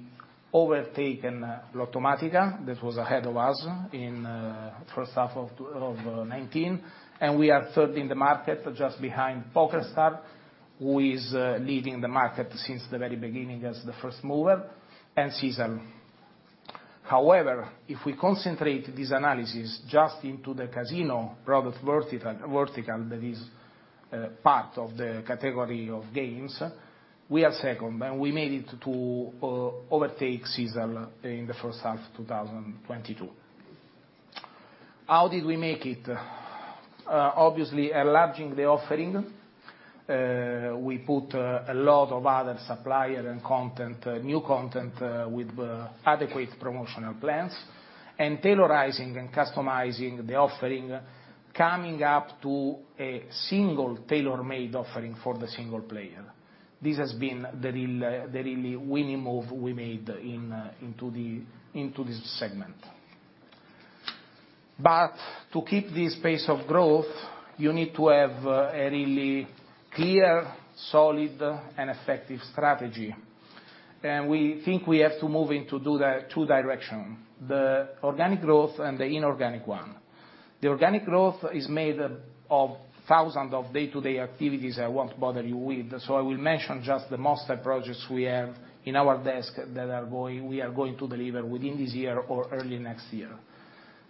overtaken Lottomatica that was ahead of us in first half of 2019, and we are third in the market just behind PokerStars, who is leading the market since the very beginning as the first mover, and Sisal. However, if we concentrate this analysis just into the casino product vertical that is part of the category of games, we are second, and we made it to overtake Sisal in the first half of 2022. How did we make it? Obviously enlarging the offering. We put a lot of other supplier and content, new content, with adequate promotional plans, and tailoring and customizing the offering, coming up to a single tailor-made offering for the single player. This has been the real, the really winning move we made in, into this segment. To keep this pace of growth, you need to have a really clear, solid, and effective strategy, and we think we have to move into do the two direction, the organic growth and the inorganic one. The organic growth is made of thousands of day-to-day activities I won't bother you with, so I will mention just the major projects we have in our desk that we are going to deliver within this year or early next year.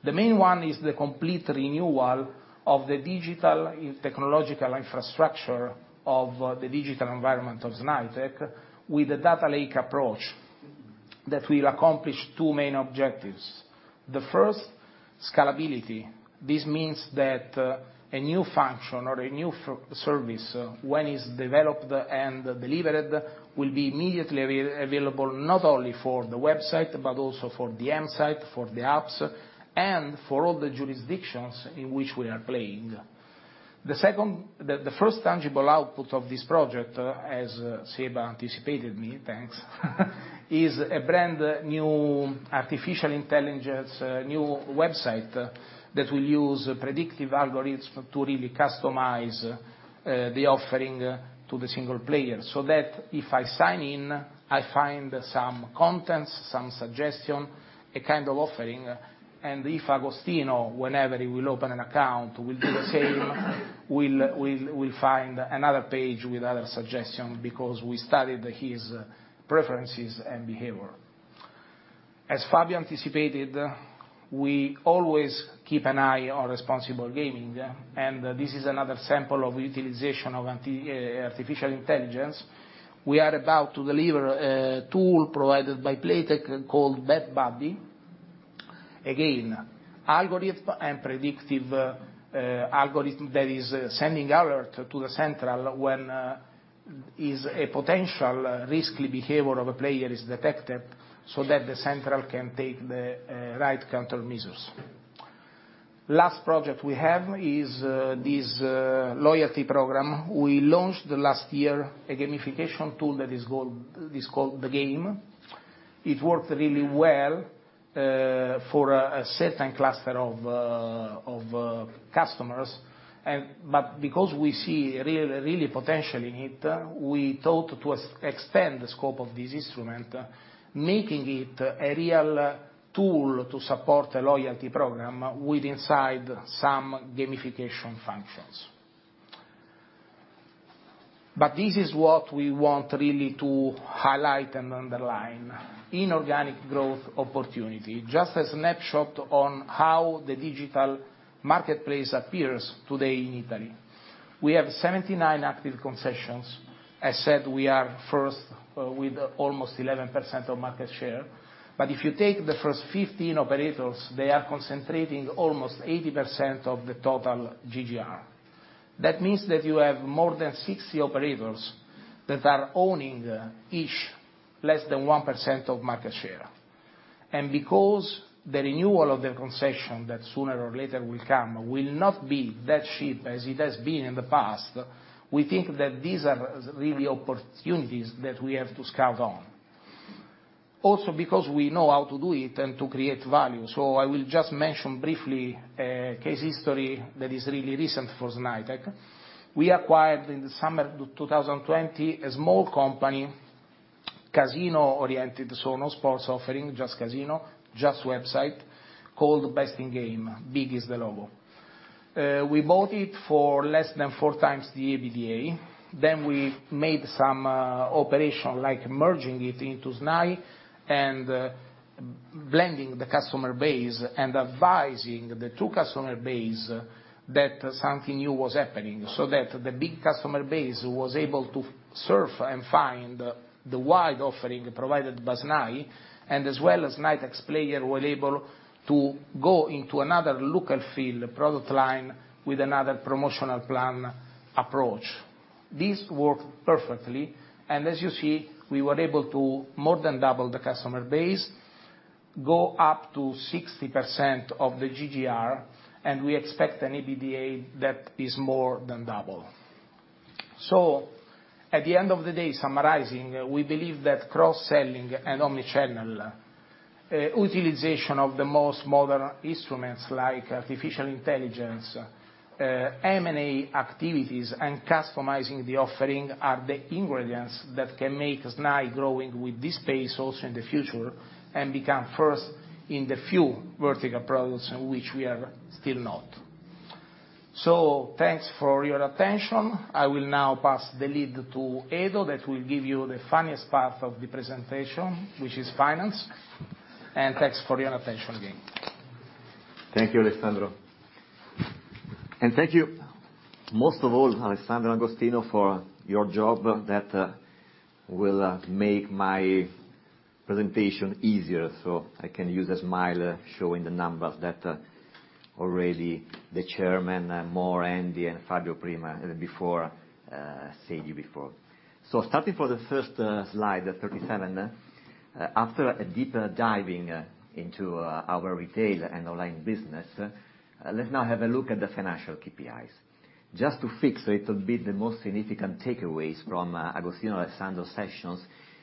The main one is the complete renewal of the digital technological infrastructure of the digital environment of Snaitech with a data lake approach that will accomplish two main objectives. The first, scalability. This means that a new function or a new service, when it's developed and delivered, will be immediately available not only for the website, but also for the MSite, for the apps, and for all the jurisdictions in which we are playing. The first tangible output of this project, as Seba anticipated me, thanks, is a brand-new artificial intelligence new website that will use predictive algorithms to really customize the offering to the single player, so that if I sign in, I find some contents, some suggestion, a kind of offering. If Agostino, whenever he will open an account, will do the same, we'll find another page with other suggestion because we studied his preferences and behavior. As Fabio anticipated, we always keep an eye on responsible gaming, and this is another example of utilization of artificial intelligence. We are about to deliver a tool provided by Playtech called BetBuddy. Again, a predictive algorithm that is sending alerts to the central when a potential risky behavior of a player is detected, so that the central can take the right counter measures. Last project we have is this loyalty program. We launched last year a gamification tool that is called The Game. It worked really well for a certain cluster of customers, but because we see really potential in it, we thought to extend the scope of this instrument, making it a real tool to support a loyalty program with inside some gamification functions. This is what we want really to highlight and underline. Inorganic growth opportunity. Just a snapshot on how the digital marketplace appears today in Italy. We have 79 active concessions. I said we are first with almost 11% of market share. If you take the first 15 operators, they are concentrating almost 80% of the total GGR. That means that you have more than 60 operators that are owning each less than 1% of market share. Because the renewal of the concession that sooner or later will come will not be that cheap as it has been in the past, we think that these are really opportunities that we have to scout on. Also, because we know how to do it and to create value. I will just mention briefly a case history that is really recent for Snaitech. We acquired in the summer of 2020 a small company, casino oriented, so no sports offering, just casino, just website, called Best in Game. Big is the logo. We bought it for less than four times the EBITDA. We made some operation like merging it into SNAI and blending the customer base and advising the two customer base that something new was happening, so that the big customer base was able to surf and find the wide offering provided by SNAI, and as well as Snaitech's player were able to go into another look and feel product line with another promotional plan approach. This worked perfectly, and as you see, we were able to more than double the customer base, go up to 60% of the GGR, and we expect an EBITDA that is more than double. At the end of the day, summarizing, we believe that cross-selling and omni-channel utilization of the most modern instruments like artificial intelligence, M&A activities, and customizing the offering are the ingredients that can make SNAI growing with this pace also in the future and become first in the few vertical products in which we are still not. Thanks for your attention. I will now pass the lead to Edo, that will give you the funniest part of the presentation, which is finance. Thanks for your attention again. Thank you, Alessandro. Thank you most of all, Alessandro, Agostino, for your job that will make my presentation easier, so I can use a smile showing the numbers that already the Chairman, Mor, Andy and Fabio Schiavolin before said before. Starting for the first slide, the 37, after a deeper dive into our retail and online business, let's now have a look at the financial KPIs. Just to fix a little bit the most significant takeaways from Agostino, Alessandro sessions,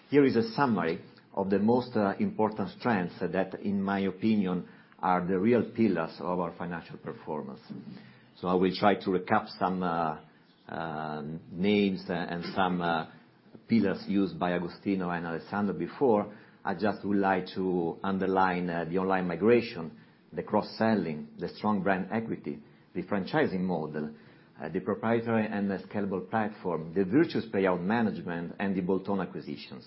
here is a summary of the most important trends that, in my opinion, are the real pillars of our financial performance. I will try to recap some names and some pillars used by Agostino and Alessandro before. I just would like to underline the online migration, the cross-selling, the strong brand equity, the franchising model, the proprietary and the scalable platform, the virtuous payout management and the bolt-on acquisitions.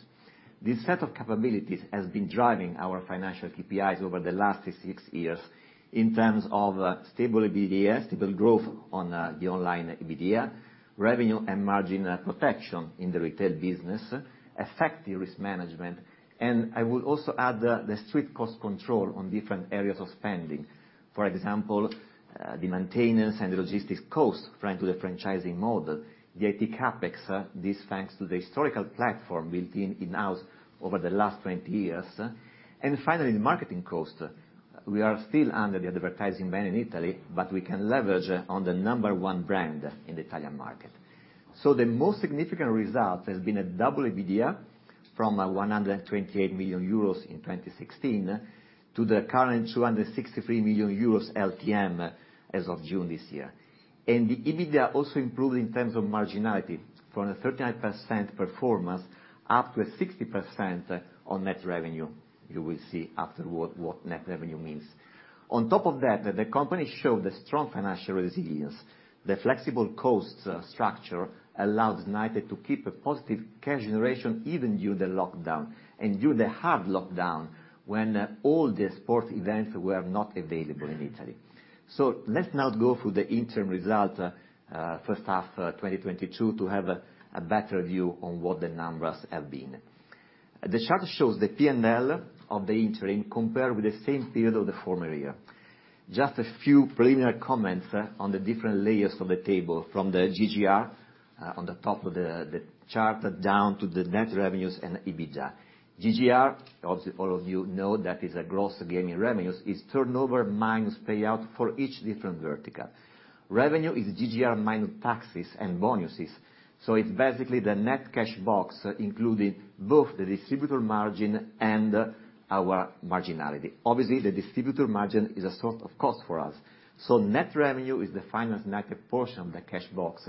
This set of capabilities has been driving our financial KPIs over the last six years in terms of stable EBITDA, stable growth on the online EBITDA, revenue and margin protection in the retail business, effective risk management, and I would also add the strict cost control on different areas of spending. For example, the maintenance and the logistics costs thanks to the franchising model, the IT CapEx, this thanks to the historical platform built in-house over the last 20 years. Finally, the marketing cost. We are still under the advertising ban in Italy, but we can leverage on the number one brand in the Italian market. The most significant result has been a double EBITDA from 128 million euros in 2016 to the current 263 million euros LTM as of June this year. The EBITDA also improved in terms of marginality from a 39% performance up to a 60% on net revenue. You will see afterward what net revenue means. On top of that, the company showed a strong financial resilience. The flexible cost structure allows SNAI to keep a positive cash generation, even during the lockdown, and during the hard lockdown when all the sports events were not available in Italy. Let's now go through the interim result, first half 2022 to have a better view on what the numbers have been. The chart shows the P&L of the interim compared with the same period of the former year. Just a few preliminary comments on the different layers of the table from the GGR on the top of the chart down to the net revenues and EBITDA. GGR, obviously, all of you know that is a gross gaming revenues, is turnover minus payout for each different vertical. Revenue is GGR minus taxes and bonuses. It's basically the net cash box, including both the distributor margin and our marginality. Obviously, the distributor margin is a sort of cost for us. Net revenue is the SNAI portion of the cash box,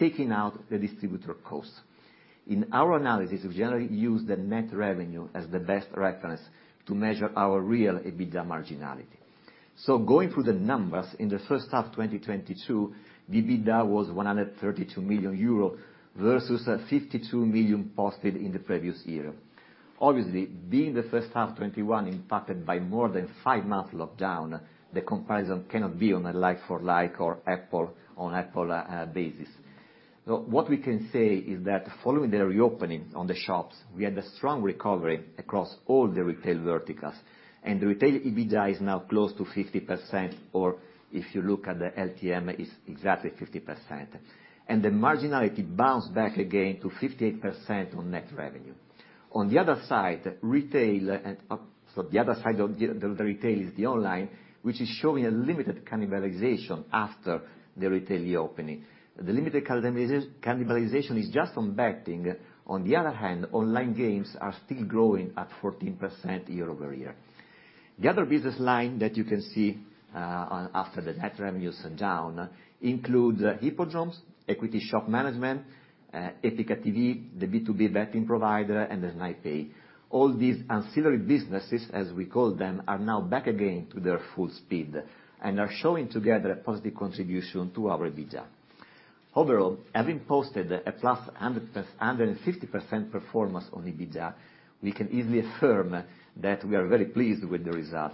taking out the distributor cost. In our analysis, we generally use the net revenue as the best reference to measure our real EBITDA marginality. Going through the numbers, in the first half of 2022, the EBITDA was 132 million euro versus 52 million posted in the previous year. Obviously, being the first half 2021 impacted by more than five months lockdown, the comparison cannot be on a like for like or apples to apples basis. What we can say is that following the reopening of the shops, we had a strong recovery across all the retail verticals, and retail EBITDA is now close to 50%, or if you look at the LTM, it's exactly 50%. The marginality bounced back again to 58% on net revenue. The other side of the retail is the online, which is showing a limited cannibalization after the retail reopening. The limited cannibalization is just on betting. On the other hand, online games are still growing at 14% year-over-year. The other business line that you can see, the one after the net revenues breakdown includes Hippodromes, Equity Shop Management, Epiqa, the B2B betting provider, and Snaipay. All these ancillary businesses, as we call them, are now back again to their full speed and are showing together a positive contribution to our EBITDA. Overall, having posted a +150% performance on EBITDA, we can easily affirm that we are very pleased with the result.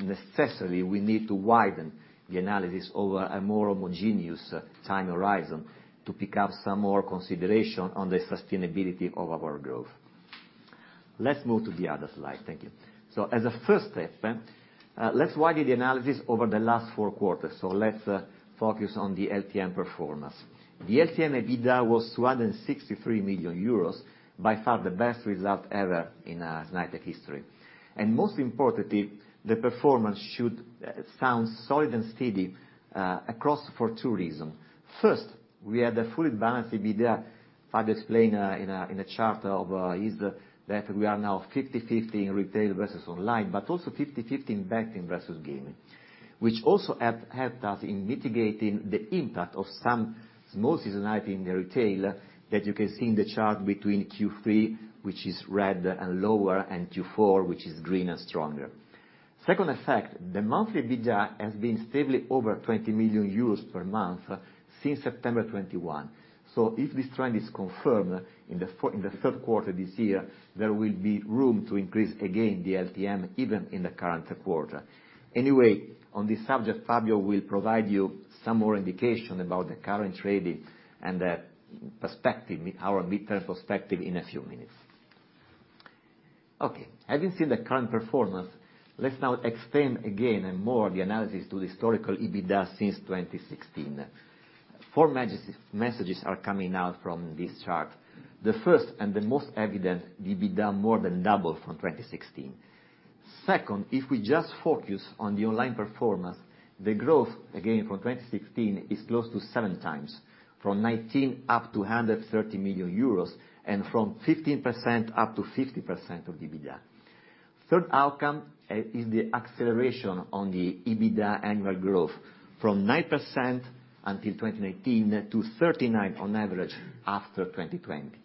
Necessarily, we need to widen the analysis over a more homogeneous time horizon to pick up some more consideration on the sustainability of our growth. Let's move to the other slide. Thank you. As a first step, let's widen the analysis over the last four quarters. Let's focus on the LTM performance. The LTM EBITDA was 263 million euros, by far the best result ever in Snaitech history. Most importantly, the performance should sound solid and steady across for two reasons. First, we had a fully balanced EBITDA. Fabio explained in a chart that we are now 50/50 in retail versus online, but also 50/50 in betting versus gaming, which also have helped us in mitigating the impact of some small seasonality in the retail that you can see in the chart between Q3, which is red and lower, and Q4, which is green and stronger. Second effect, the monthly EBITDA has been stably over 20 million euros per month since September 2021. If this trend is confirmed in the third quarter this year, there will be room to increase again the LTM, even in the current quarter. Anyway, on this subject, Fabio will provide you some more indication about the current trading and the perspective, our midterm perspective in a few minutes. Okay, having seen the current performance, let's now extend again and more the analysis to the historical EBITDA since 2016. Four messages are coming out from this chart. The first and the most evident, the EBITDA more than double from 2016. Second, if we just focus on the online performance, the growth, again from 2016, is close to seven times, from 19 up to 130 million euros and from 15% up to 50% of the EBITDA. Third outcome is the acceleration on the EBITDA annual growth from 9% until 2019 to 39% on average after 2020.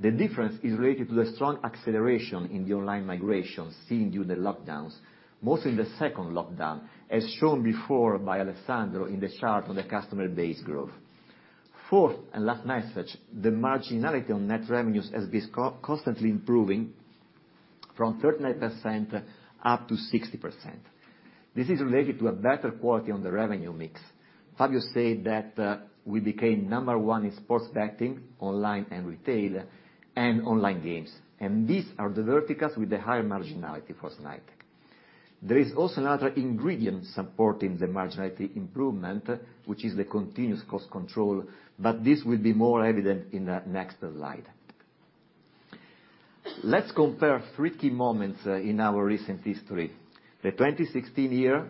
The difference is related to the strong acceleration in the online migration seen during the lockdowns, mostly in the second lockdown, as shown before by Alessandro in the chart on the customer base growth. Fourth and last message, the marginality on net revenues has been constantly improving from 39% up to 60%. This is related to a better quality on the revenue mix. Fabio said that we became number one in sports betting, online and retail, and online games, and these are the verticals with the higher marginality for Snaitech. There is also another ingredient supporting the marginality improvement, which is the continuous cost control, but this will be more evident in the next slide. Let's compare three key moments in our recent history. The 2016 year,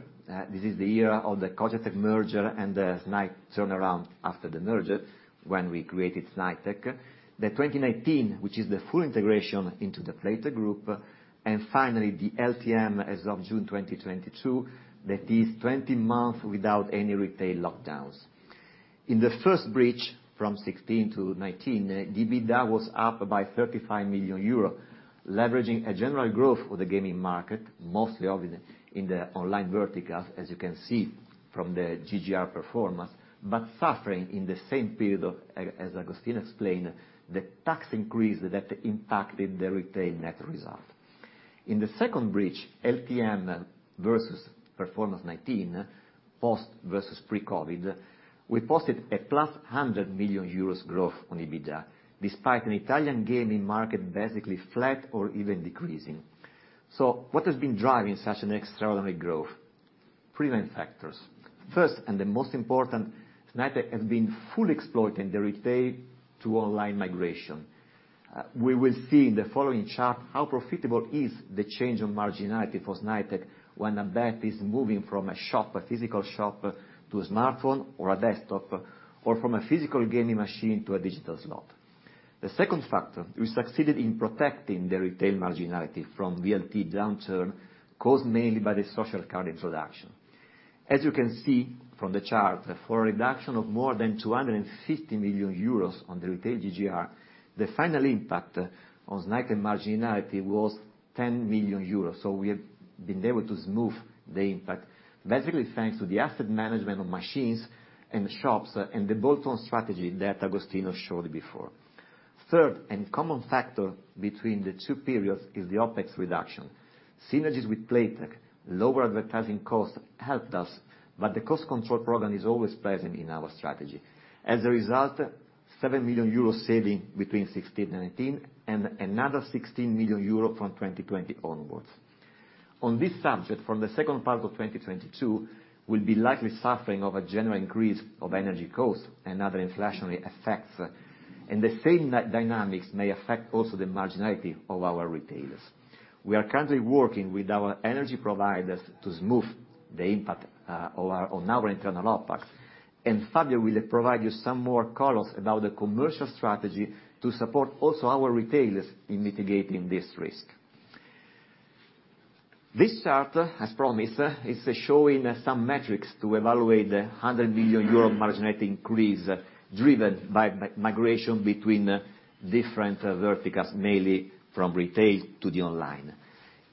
this is the year of the Cogetech merger and the SNAI turnaround after the merger when we created Snaitech. The 2019, which is the full integration into the Playtech group. Finally, the LTM as of June 2022, that is 20 months without any retail lockdowns. In the first bridge from 2016 to 2019, EBITDA was up by 35 million euro, leveraging a general growth of the gaming market, mostly obviously in the online verticals, as you can see from the GGR performance, but suffering in the same period, as Agostino explained, the tax increase that impacted the retail net result. In the second bridge, LTM versus performance 2019, post versus pre-COVID, we posted a 100 million euros growth on EBITDA, despite an Italian gaming market basically flat or even decreasing. What has been driving such an extraordinary growth? Three main factors. First, and the most important, Snaitech has been fully exploiting the retail to online migration. We will see in the following chart how profitable is the change in marginality for Snaitech when a bet is moving from a shop, a physical shop, to a smartphone or a desktop, or from a physical gaming machine to a digital slot. The second factor, we succeeded in protecting the retail marginality from VLT downturn caused mainly by the social card introduction. As you can see from the chart, for a reduction of more than 250 million euros on the retail GGR, the final impact on Snaitech marginality was 10 million euros. We have been able to smooth the impact, basically thanks to the asset management of machines and shops, and the bolt-on strategy that Agostino showed before. Third, and common factor between the two periods, is the OpEx reduction. Synergies with Playtech, lower advertising costs helped us, but the cost control program is always present in our strategy. As a result, 7 million euro saving between 2016 and 2018, and another 16 million euro from 2020 onwards. On this subject, from the second part of 2022, we'll be likely suffering from a general increase of energy costs and other inflationary effects. The same dynamics may affect also the marginality of our retailers. We are currently working with our energy providers to smooth the impact on our internal OpEx. Fabio will provide you some more colors about the commercial strategy to support also our retailers in mitigating this risk. This chart, as promised, is showing some metrics to evaluate the €100 million marginal increase driven by migration between different verticals, mainly from retail to the online.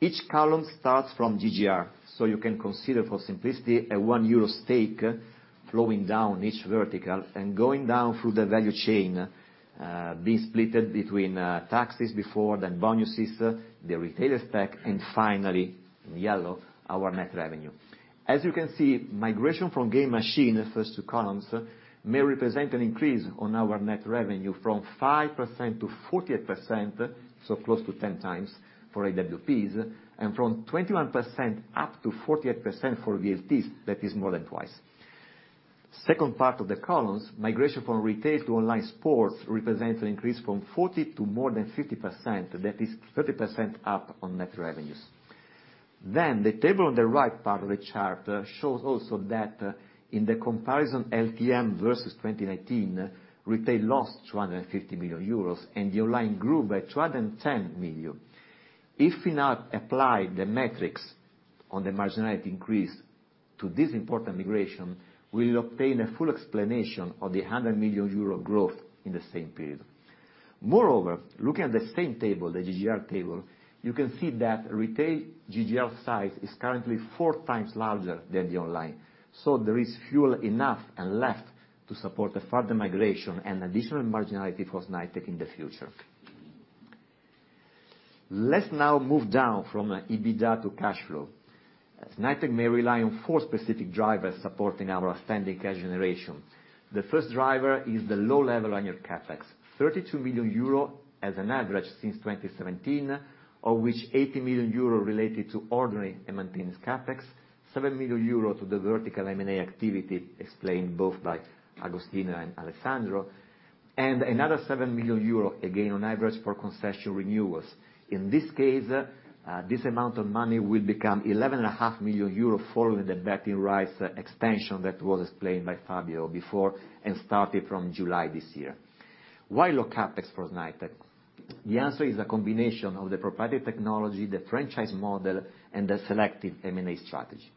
Each column starts from GGR, so you can consider for simplicity a 1 euro stake flowing down each vertical, and going down through the value chain, being split between taxes before, then bonuses, the retailer stake, and finally, in yellow, our net revenue. As you can see, migration from gaming machine, first two columns, may represent an increase on our net revenue from 5%-48%, so close to 10 times for AWPs, and from 21% up to 48% for VLTs, that is more than twice. Second part of the columns, migration from retail to online sports represents an increase from 40% to more than 50%, that is 30% up on net revenues. The table on the right part of the chart shows also that in the comparison LTM versus 2019, retail lost 250 million euros, and the online grew by 210 million. If we now apply the metrics on the marginality increase to this important migration, we'll obtain a full explanation of the 100 million euro growth in the same period. Moreover, looking at the same table, the GGR table, you can see that retail GGR size is currently four times larger than the online. There is fuel enough and left to support a further migration and additional marginality for Snaitech in the future. Let's now move down from EBITDA to cash flow, as Snaitech may rely on four specific drivers supporting our outstanding cash generation. The first driver is the low level on your CapEx, 32 million euro as an average since 2017, of which 80 million euro related to ordinary and maintenance CapEx, 7 million euro to the vertical M&A activity explained both by Agostino and Alessandro, and another 7 million euros, again on average, for concession renewals. In this case, this amount of money will become 11.5 million euros following the betting rights expansion that was explained by Fabio before, and starting from July this year. Why low CapEx for Snaitech? The answer is a combination of the proprietary technology, the franchise model, and the selective M&A strategy.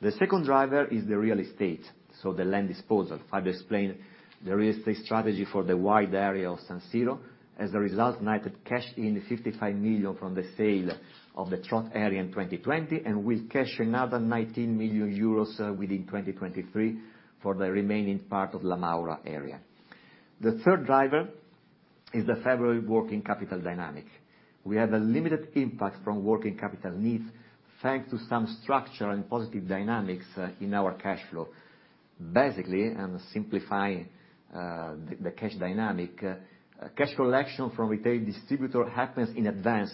The second driver is the real estate, so the land disposal. Fabio explained the real estate strategy for the wide area of San Siro. As a result, Snaitech cashed in 55 million from the sale of the trot area in 2020, and will cash another 19 million euros within 2023 for the remaining part of La Maura area. The third driver is the favorable working capital dynamic. We have a limited impact from working capital needs, thanks to some structural and positive dynamics in our cash flow. Basically, and simplifying, the cash dynamic, cash collection from retail distributor happens in advance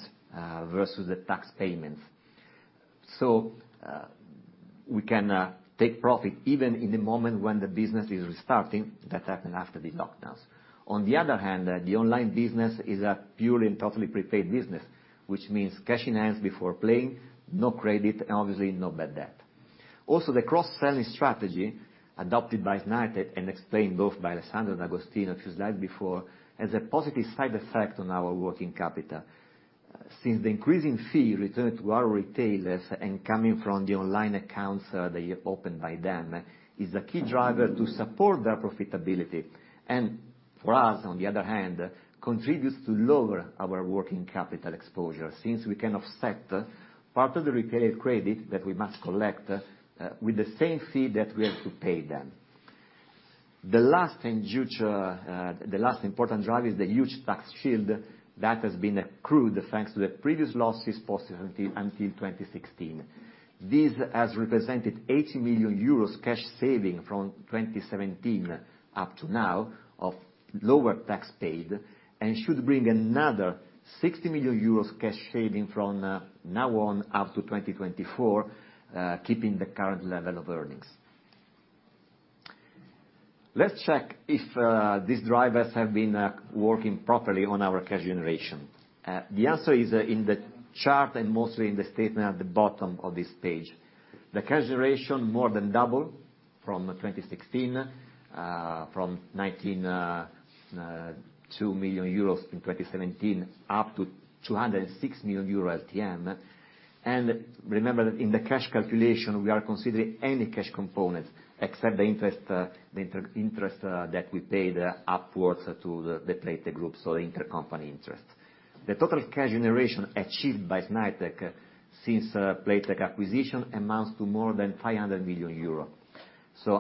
versus the tax payments. We can take profit even in the moment when the business is restarting, that happened after the lockdowns. On the other hand, the online business is a purely and totally prepaid business, which means cash in hand before playing, no credit, and obviously no bad debt. Also, the cross-selling strategy adopted by Snaitech and explained both by Alessandro and Agostino a few slides before has a positive side effect on our working capital. Since the increasing fee returned to our retailers and coming from the online accounts that are opened by them is a key driver to support their profitability. For us, on the other hand, contributes to lower our working capital exposure, since we can offset part of the retailer credit that we must collect with the same fee that we have to pay them. The last important driver is the huge tax shield that has been accrued, thanks to the previous losses posted until 2016. This has represented 80 million euros cash saving from 2017 up to now of lower tax paid, and should bring another 60 million euros cash saving from now on up to 2024, keeping the current level of earnings. Let's check if these drivers have been working properly on our cash generation. The answer is in the chart and mostly in the statement at the bottom of this page. The cash generation more than doubled from 2016, from 92 million euros in 2017 up to 206 million euro. Remember that in the cash calculation, we are considering any cash component except the interest, the intercompany interest, that we paid up to the Playtech Group, so intercompany interest. The total cash generation achieved by Snaitech since Playtech acquisition amounts to more than 500 million euros.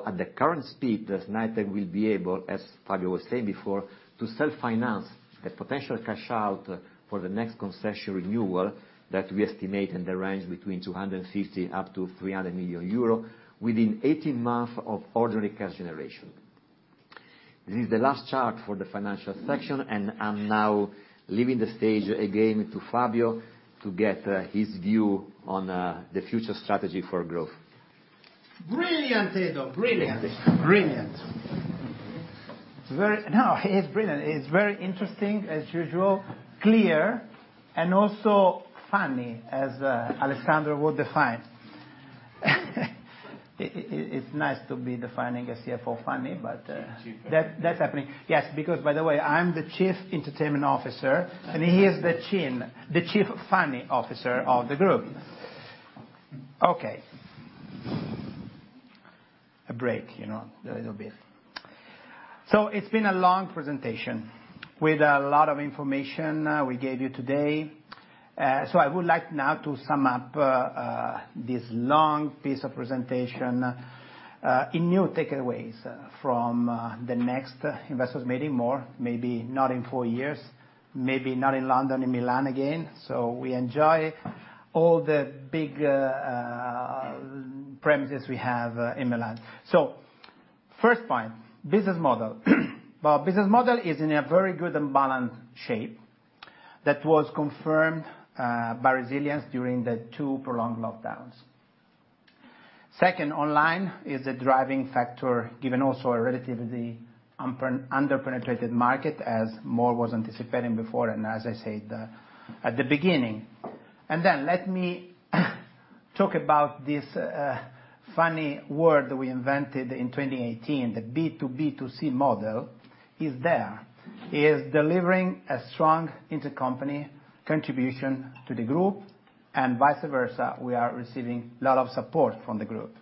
At the current speed, Snaitech will be able, as Fabio was saying before, to self-finance the potential cash out for the next concession renewal that we estimate in the range between 250 million and 300 million euro within 18 months of ordinary cash generation. This is the last chart for the financial section, and I'm now leaving the stage again to Fabio to get his view on the future strategy for growth. Brilliant, Edo. It's brilliant. It's very interesting, as usual, clear, and also funny, as Alessandro would define. It's nice to find a CFO funny, but that's happening. Yes, because by the way, I'm the chief entertainment officer, and he is the chief funny officer of the group. Okay. A break, you know, a little bit. It's been a long presentation with a lot of information we gave you today. I would like now to sum up this long piece of presentation in a few takeaways from the next investors meeting. More, maybe not in four years, maybe not in London, in Milan again. We enjoy all the big premises we have in Milan. First point, business model. Our business model is in a very good and balanced shape that was confirmed by resilience during the two prolonged lockdowns. Second, online is a driving factor, given also a relatively under-penetrated market, as Mor was anticipating before, and as I said at the beginning. Then let me talk about this funny word we invented in 2018, the B2B2C model is there. It is delivering a strong intercompany contribution to the group, and vice versa, we are receiving a lot of support from the group.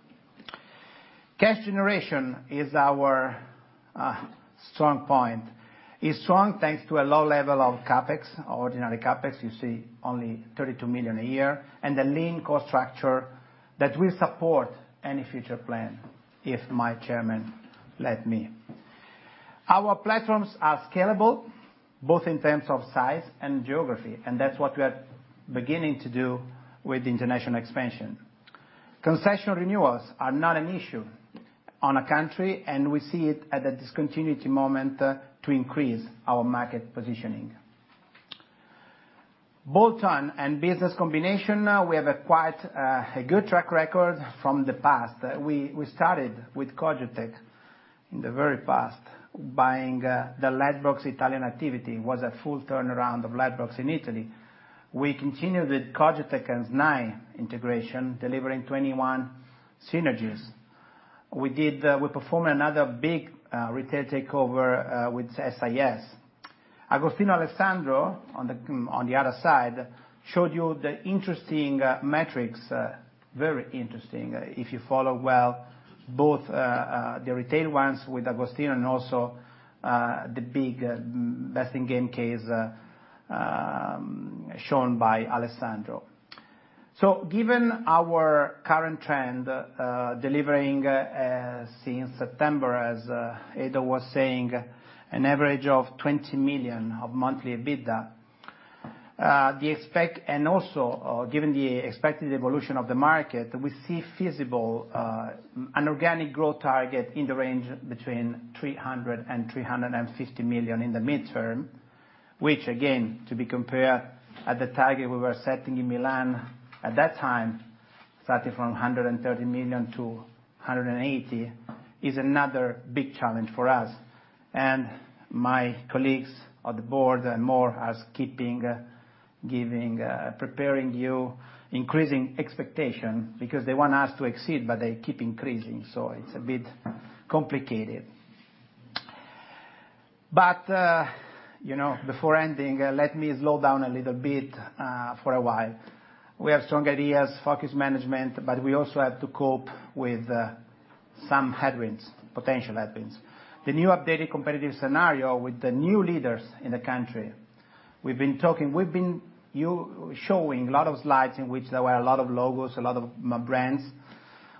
Cash generation is our strong point. It's strong, thanks to a low level of CapEx, ordinary CapEx, you see only 32 million a year, and a lean cost structure that will support any future plan if my chairman let me. Our platforms are scalable, both in terms of size and geography, and that's what we are beginning to do with international expansion. Concession renewals are not an issue on a country, and we see it at a discontinuity moment to increase our market positioning. Bolt-on and business combination, we have quite a good track record from the past. We started with Cogetech in the very past, buying the Lightbox Italian activity. It was a full turnaround of Lightbox in Italy. We continued with Cogetech and SNAI integration, delivering 21 synergies. We performed another big retail takeover with SIS. Agostino, Alessandro on the other side, showed you the interesting metrics, very interesting if you follow well, both the retail ones with Agostino and also the Best in Game case shown by Alessandro. Given our current trend, delivering since September, as Edo was saying, an average of 20 million monthly EBITDA. Given the expected evolution of the market, we see feasible an organic growth target in the range between 300 million-350 million in the midterm, which again, to be compared at the target we were setting in Milan at that time, starting from 130 million-180 million, is another big challenge for us. My colleagues on the board and more are keeping, giving, preparing you, increasing expectation because they want us to exceed, but they keep increasing. It's a bit complicated. But you know, before ending, let me slow down a little bit for a while. We have strong ideas, focus management, but we also have to cope with some headwinds, potential headwinds. The new updated competitive scenario with the new leaders in the country. We've been talking, we've been showing a lot of slides in which there were a lot of logos, a lot of brands.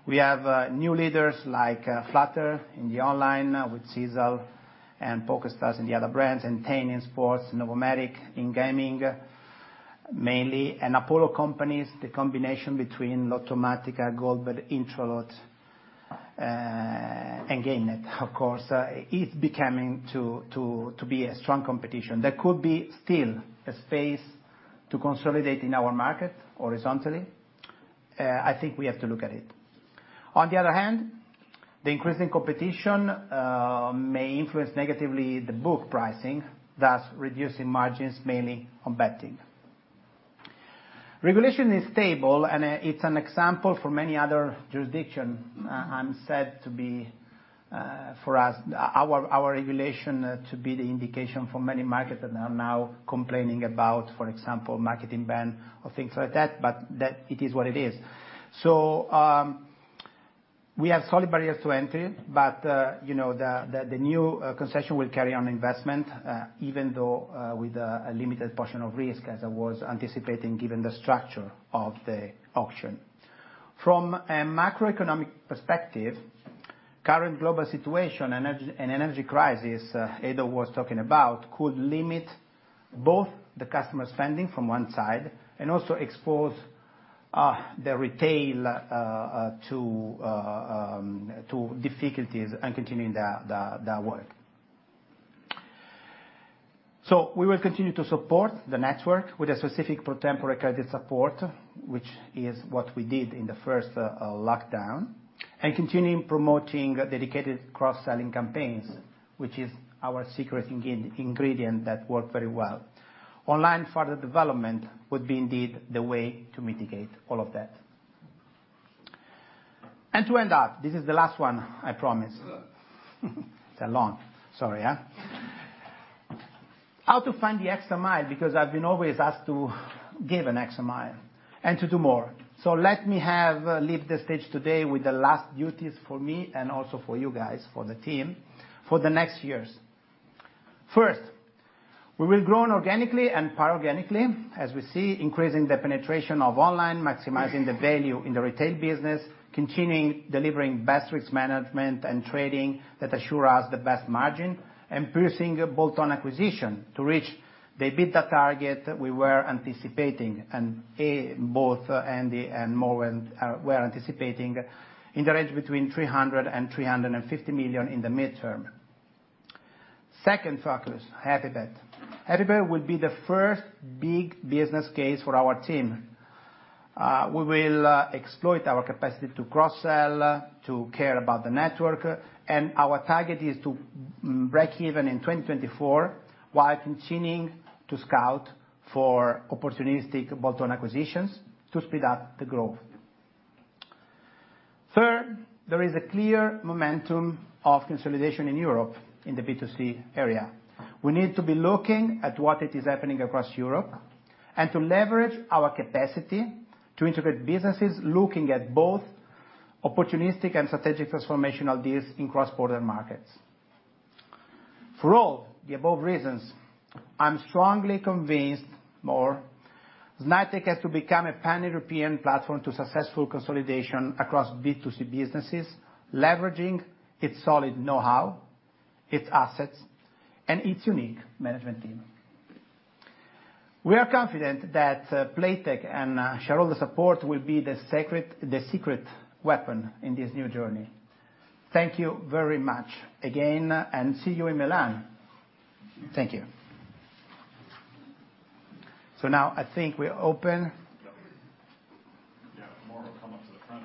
We have new leaders like Flutter in the online with Caesar and PokerStars and the other brands, and Entain in sports, NOVOMATIC in gaming, mainly. Apollo companies, the combination between Lottomatica, GoldBet, Intralot, and GameNet, of course, is becoming to be a strong competition. There could be still a space to consolidate in our market horizontally. I think we have to look at it. On the other hand, the increasing competition may influence negatively the book pricing, thus reducing margins mainly on betting. Regulation is stable, and it's an example for many other jurisdictions. It's said to be for us our regulation to be the indication for many markets that are now complaining about, for example, marketing ban or things like that, but that it is what it is. We have solid barriers to entry, but you know, the new concession will carry on investment even though with a limited portion of risk as I was anticipating given the structure of the auction. From a macroeconomic perspective, current global situation and energy crisis, Edo was talking about, could limit both the customer spending from one side and also expose the retail to difficulties and continuing their work. We will continue to support the network with a specific pro tempore credit support, which is what we did in the first lockdown, and continuing promoting dedicated cross-selling campaigns, which is our secret ingredient that worked very well. Online further development would be indeed the way to mitigate all of that. To end up, this is the last one, I promise. It's long. Sorry. How to find the extra mile, because I've been always asked to give an extra mile and to do more. Let me leave the stage today with the last to-dos for me and also for you guys, for the team, for the next years. First, we will grow organically and inorganically, as we see increasing the penetration of online, maximizing the value in the retail business, continuing delivering best risk management and trading that assure us the best margin, and pursuing bolt-on acquisition to reach the EBITDA target we were anticipating. As both Andy and Mor were anticipating in the range between 300 million and 350 million in the midterm. Second focus, HappyBet. HappyBet would be the first big business case for our team. We will exploit our capacity to cross-sell, to care about the network, and our target is to break even in 2024, while continuing to scout for opportunistic bolt-on acquisitions to speed up the growth. Third, there is a clear momentum of consolidation in Europe in the B2C area. We need to be looking at what it is happening across Europe and to leverage our capacity to integrate businesses looking at both opportunistic and strategic transformational deals in cross-border markets. For all the above reasons, I'm strongly convinced more Snaitech has to become a Pan-European platform to successful consolidation across B2C businesses, leveraging its solid know-how, its assets, and its unique management team. We are confident that Playtech and shareholder support will be the secret weapon in this new journey. Thank you very much again, and see you in Milan. Thank you. Now I think we're open. Yeah. More will come up to the front.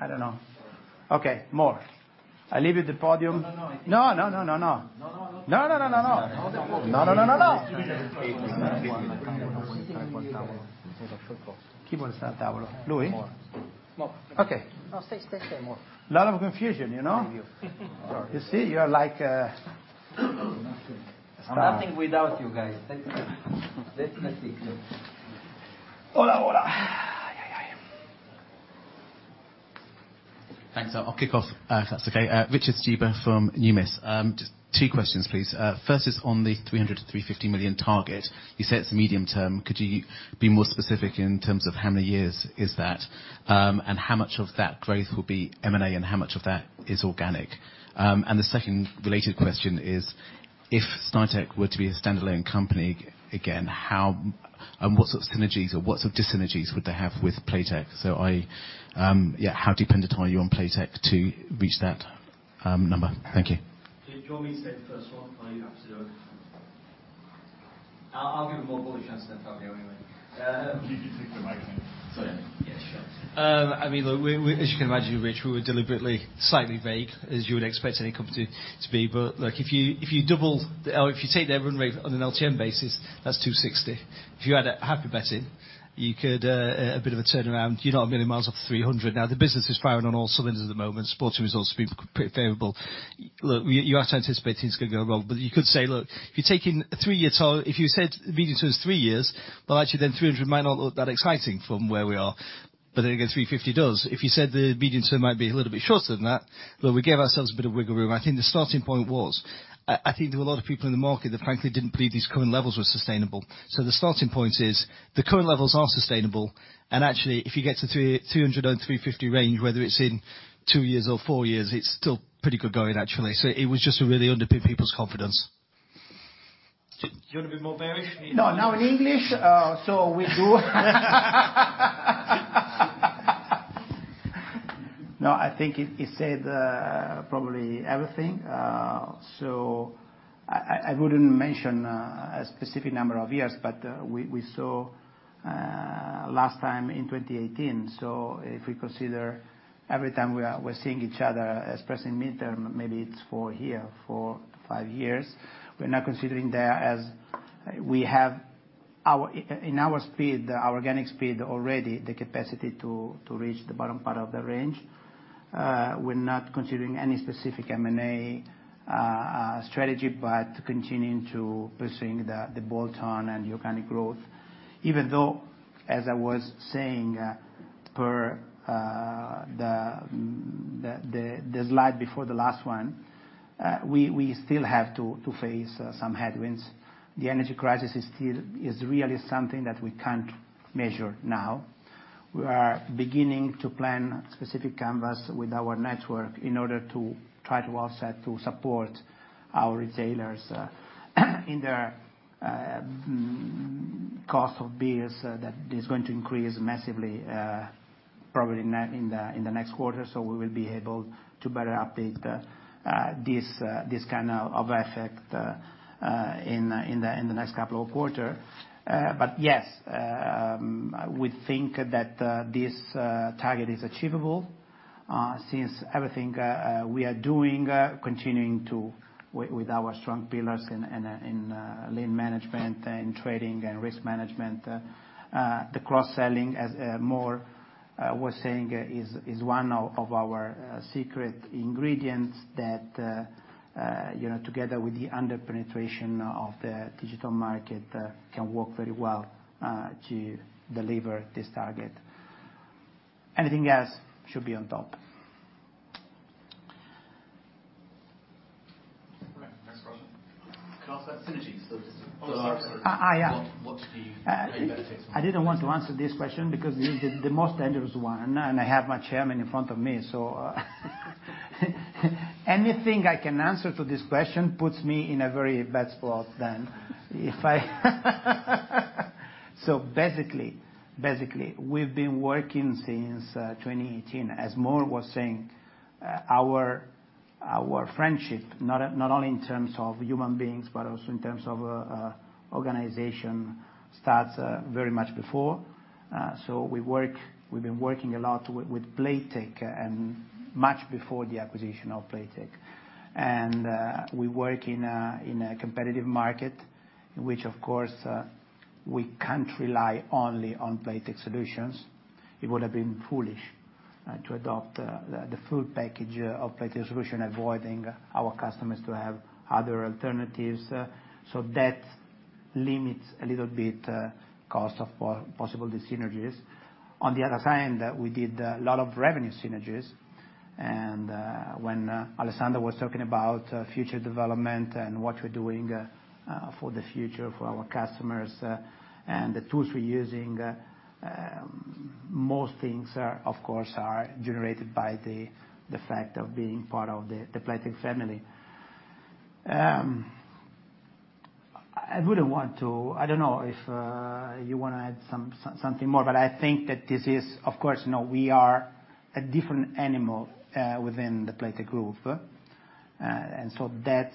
I don't know. Okay. Mor. I leave you the podium. No, no. No, no, no. No, no. No, no, no. No, no. No. Louis? More. Okay. No, stay. More. Lot of confusion, you know? Thank you. You see, you are like, a star. Nothing without you guys. Thank you. Let's see. Hola, hola. Ay, ay. Thanks. I'll kick off, if that's okay. Richard Stuber from Numis. Just two questions, please. First is on the 300 million-350 million target. You said it's medium-term. Could you be more specific in terms of how many years is that? And how much of that growth will be M&A, and how much of that is organic? And the second related question is, if Snaitech were to be a standalone company again, what sort of synergies or what sort of dis-synergies would they have with Playtech? Yeah, how dependent are you on Playtech to reach that number? Thank you. Do you want me to take the first one or you happy to do it? I'll give him more of a chance than Fabio anyway. Could you take the mic? Sorry. Yeah, sure. I mean, look, we were deliberately slightly vague, as you can imagine, Rich, as you would expect any company to be. Look, if you double or if you take their run rate on an LTM basis, that's 260 million. If you add HappyBet in, you could, a bit of a turnaround, you're not a million miles off 300 million. Now, the business is firing on all cylinders at the moment. Sporting results have been pretty favorable. Look, you have to anticipate things could go wrong. You could say, look, if you said medium-term is three years, well, actually then 300 million might not look that exciting from where we are. 350 million does. If you said the medium-term might be a little bit shorter than that, look, we gave ourselves a bit of wiggle room. I think the starting point was. I think there were a lot of people in the market that frankly didn't believe these current levels were sustainable. The starting point is the current levels are sustainable, and actually, if you get to 200-350 range, whether it's in two years or four years, it's still pretty good going, actually. It was just to really underpin people's confidence. Do you wanna be more bearish? No, now in English, so we do. No, I think he said probably everything. I wouldn't mention a specific number of years, but we saw last time in 2018, so if we consider every time we're seeing each other expressing mid-term, maybe it's four to five years. We're not considering that as we have our own speed, our organic speed already the capacity to reach the bottom part of the range. We're not considering any specific M&A strategy, but continuing to pursue the bolt-on and organic growth. Even though, as I was saying, per the slide before the last one, we still have to face some headwinds. The energy crisis is really something that we can't measure now. We are beginning to plan specific canvass with our network in order to try to offset, to support our retailers, in their costs of bills that is going to increase massively, probably in the next quarter, so we will be able to better update this kind of effect in the next couple of quarter. Yes, we think that this target is achievable, since everything we are doing, continuing to with our strong pillars in lean management and trading and risk management. The cross-selling, as Mor was saying, is one of our secret ingredients that you know, together with the under-penetration of the digital market, can work very well to deliver this target. Anything else should be on top. All right, next question. Can I ask about synergies? What's the main benefits? I didn't want to answer this question because this is the most dangerous one, and I have my chairman in front of me. Anything I can answer to this question puts me in a very bad spot then. We've been working since 2018. As Mor was saying, our friendship, not only in terms of human beings, but also in terms of organization, starts very much before. We've been working a lot with Playtech and much before the acquisition of Playtech. We work in a competitive market, which of course we can't rely only on Playtech solutions. It would have been foolish to adopt the full package of Playtech solution, avoiding our customers to have other alternatives. That limits a little bit cost of possible synergies. On the other side, we did a lot of revenue synergies, and when Alessandro was talking about future development and what we're doing for the future for our customers, and the tools we're using, most things are, of course, generated by the fact of being part of the Playtech family. I wouldn't want to. I don't know if you wanna add something more, but I think that this is, of course, you know, we are a different animal within the Playtech group. That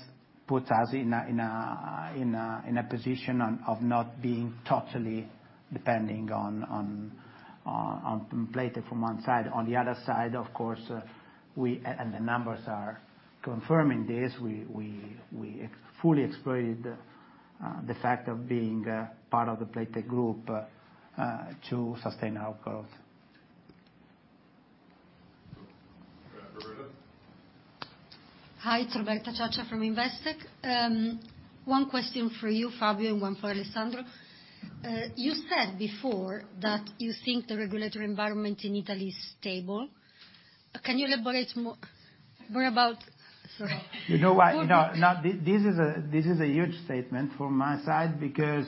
puts us in a position of not being totally depending on Playtech from one side. On the other side, of course, we and the numbers are confirming this. We fully exploited the fact of being part of the Playtech group to sustain our growth. Roberta. Hi, it's Roberta Ciaccia from Investec. One question for you, Fabio, and one for Alessandro. You said before that you think the regulatory environment in Italy is stable. Can you elaborate more? You know what? No, this is a huge statement from my side because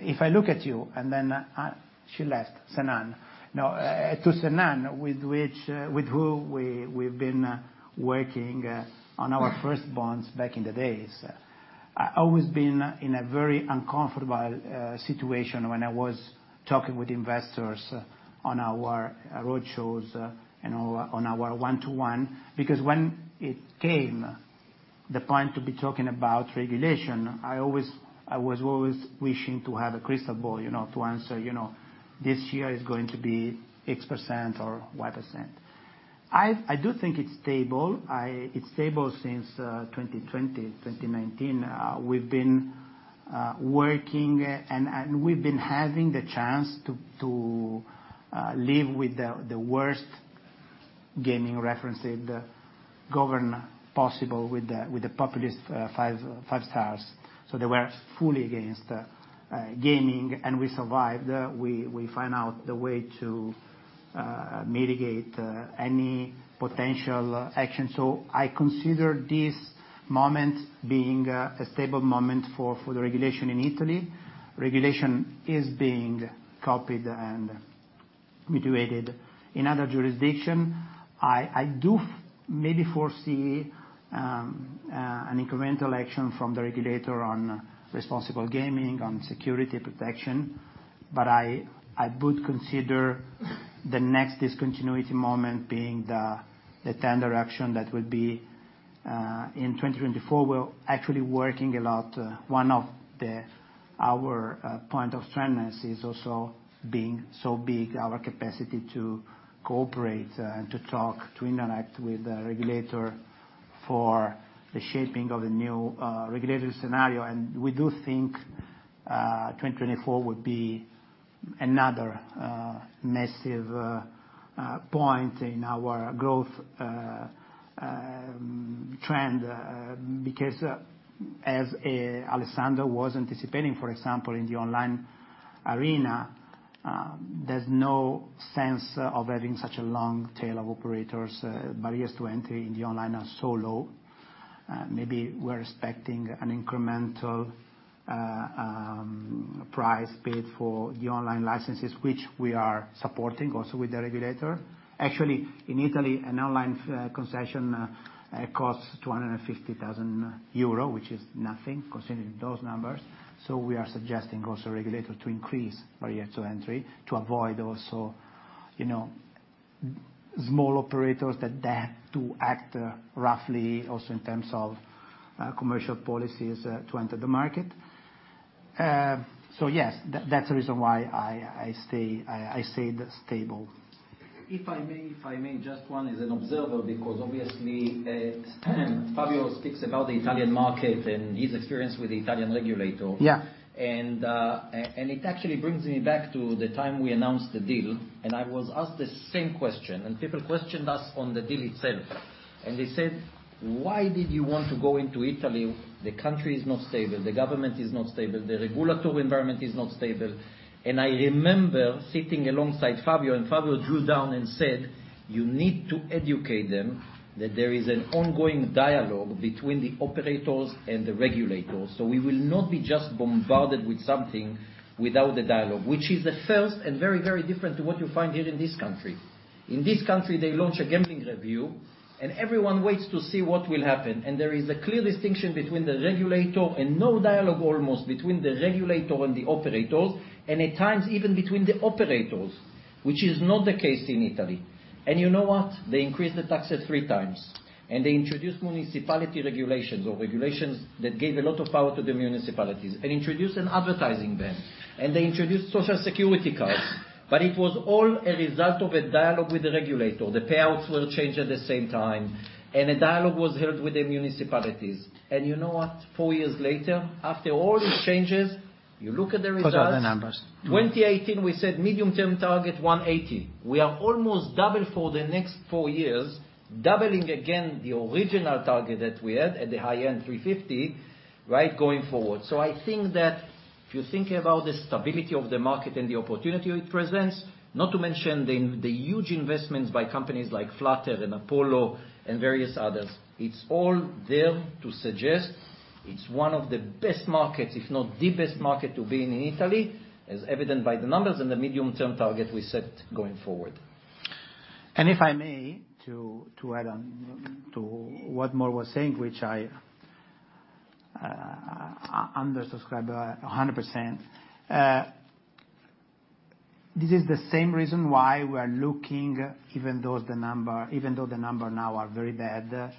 if I look at you and then she left, Senan. No, to Senan, with who we've been working on our first bonds back in the days, I always been in a very uncomfortable situation when I was talking with investors on our roadshows and on our one-to-one, because when it came to the point to be talking about regulation, I was always wishing to have a crystal ball, you know, to answer, you know, this year is going to be X percent or Y percent. I do think it's stable. It's stable since 2020, 2019. We've been working and we've been having the chance to live with the worst gaming regulations, the government possible with the populist Five Star Movement. They were fully against gaming, and we survived. We find out the way to mitigate any potential action. I consider this moment being a stable moment for the regulation in Italy. Regulation is being copied and mitigated in other jurisdictions. I do maybe foresee an incremental action from the regulator on responsible gaming, on security protection, but I would consider the next discontinuity moment being the tender action that will be in 2024. We're actually working a lot. One of our points of strength is also being so big, our capacity to cooperate and to talk, to interact with the regulator. For the shaping of the new regulatory scenario, we do think 2024 would be another massive point in our growth trend, because as Alessandro was anticipating, for example, in the online arena, there's no sense of having such a long tail of operators. Barriers to entry in the online are so low. Maybe we're expecting an incremental price paid for the online licenses, which we are supporting also with the regulator. Actually, in Italy, an online concession costs 250 thousand euro, which is nothing considering those numbers. We are suggesting also regulator to increase barrier to entry to avoid also, you know, small operators that dare to act roughly also in terms of commercial policies to enter the market. Yes, that's the reason why I stayed stable. If I may, just one as an observer, because obviously, Fabio speaks about the Italian market and his experience with the Italian regulator. Yeah. It actually brings me back to the time we announced the deal, and I was asked the same question, and people questioned us on the deal itself. They said, "Why did you want to go into Italy? The country is not stable, the government is not stable, the regulatory environment is not stable." I remember sitting alongside Fabio, and Fabio drew down and said, "You need to educate them that there is an ongoing dialogue between the operators and the regulators. So we will not be just bombarded with something without the dialogue," which is a first and very, very different to what you find here in this country. In this country, they launch a gambling review, and everyone waits to see what will happen. There is a clear distinction between the regulator and no dialogue almost between the regulator and the operators, and at times even between the operators, which is not the case in Italy. You know what? They increased the taxes three times, and they introduced municipality regulations or regulations that gave a lot of power to the municipalities and introduced an advertising ban. They introduced social cards. It was all a result of a dialogue with the regulator. The payouts were changed at the same time, and a dialogue was held with the municipalities. You know what? Four years later, after all these changes, you look at the results. Look at the numbers. 2018, we said medium-term target 180. We are almost double for the next four years, doubling again the original target that we had at the high-end 350, right, going forward. I think that if you think about the stability of the market and the opportunity it presents, not to mention the huge investments by companies like Flutter and Apollo and various others, it's all there to suggest it's one of the best markets, if not the best market to be in Italy, as evident by the numbers and the medium-term target we set going forward. If I may to add on to what Mor was saying, which I subscribe 100%. This is the same reason why we're looking even though the numbers now are very bad,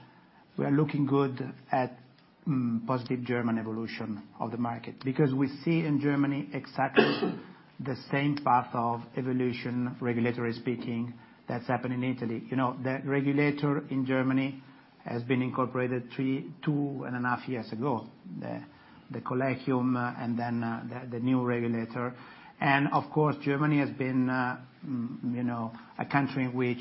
we are looking good at positive German evolution of the market. Because we see in Germany exactly the same path of evolution, regulatory speaking, that's happened in Italy. You know, the regulator in Germany has been incorporated two and a half years ago, the Glücksspielkollegium, and then the new regulator. Of course, Germany has been, you know, a country which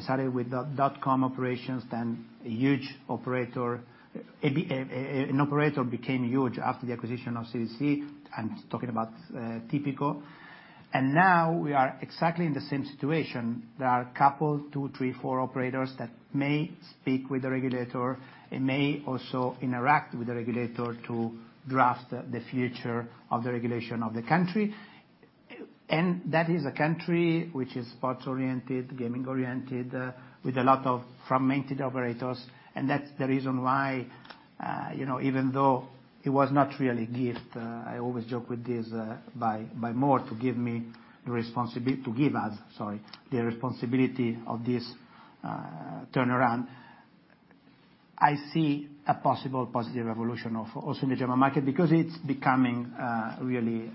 started with dot-com operations, then a huge operator. An operator became huge after the acquisition of CDC. I'm talking about Tipico. Now we are exactly in the same situation. There are a couple, two, three, four operators that may speak with the regulator and may also interact with the regulator to draft the future of the regulation of the country. That is a country which is sports-oriented, gaming-oriented, with a lot of fragmented operators. That's the reason why, you know, even though it was not really a gift, I always joke with this by Mor Weizer to give us, sorry, the responsibility of this turnaround. I see a possible positive evolution also in the German market because it's becoming really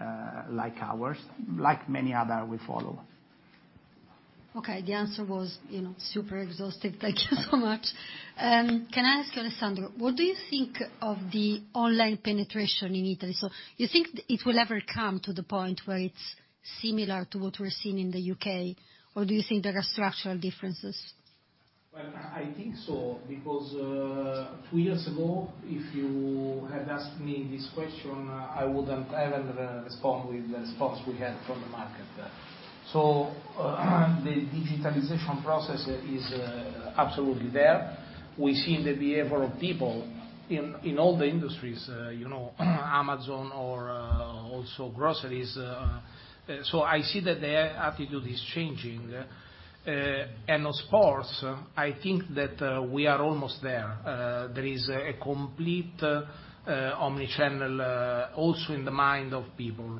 like ours, like many other will follow. Okay. The answer was, you know, super exhaustive. Thank you so much. Can I ask you, Alessandro, what do you think of the online penetration in Italy? You think it will ever come to the point where it's similar to what we're seeing in the UK, or do you think there are structural differences? Well, I think so, because two years ago, if you had asked me this question, I wouldn't even respond with the response we had from the market. The digitalization process is absolutely there. We see in the behavior of people in all the industries, you know, Amazon or also groceries. I see that their attitude is changing. On sports, I think that we are almost there. There is a complete omni-channel also in the mind of people.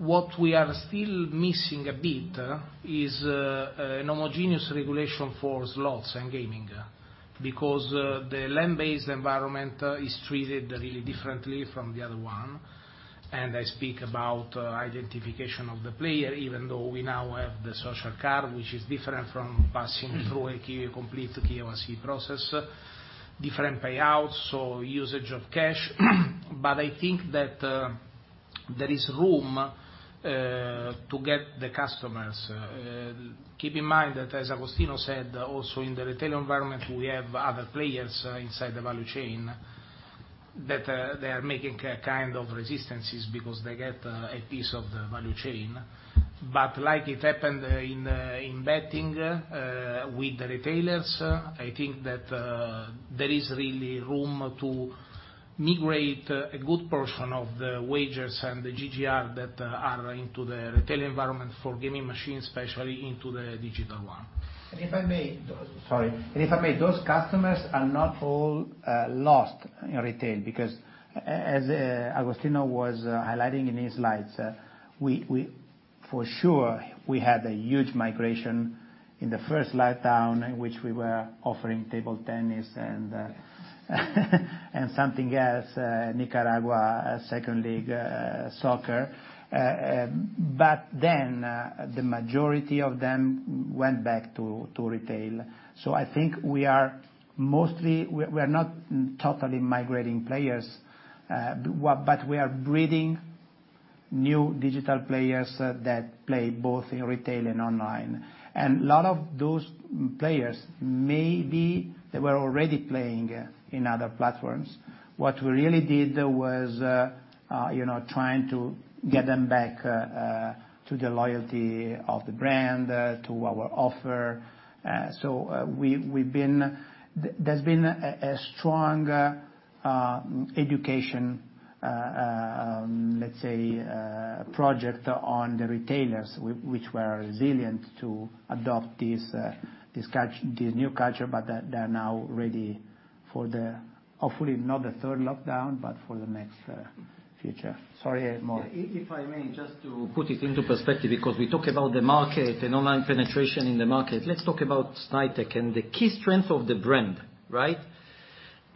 What we are still missing a bit is an homogeneous regulation for slots and gaming. Because the land-based environment is treated really differently from the other one. I speak about identification of the player, even though we now have the social card, which is different from passing through a key, a complete KYC process, different payouts or usage of cash. I think that there is room to get the customers. Keep in mind that, as Agostino said, also in the retail environment, we have other players inside the value chain that they are making kind of resistances because they get a piece of the value chain. Like it happened in betting with the retailers, I think that there is really room to migrate a good portion of the wagers and the GGR that are into the retail environment for gaming machines, especially into the digital one. If I may. Sorry. If I may, those customers are not all lost in retail because Agostino was highlighting in his slides, we had a huge migration in the first lockdown in which we were offering table tennis and something else, Nicaragua, second league, soccer. But then, the majority of them went back to retail. I think we are mostly. We are not totally migrating players, but we are breeding new digital players that play both in retail and online. A lot of those players, maybe they were already playing in other platforms. What we really did was, you know, trying to get them back to the loyalty of the brand to our offer. We have been. There's been a strong education, let's say, project on the retailers which were reluctant to adopt this new culture, but they're now ready for the hopefully not the third lockdown, but for the next future. Sorry, Mor. If I may, just to put it into perspective, because we talk about the market and online penetration in the market. Let's talk about Snaitech and the key strength of the brand, right?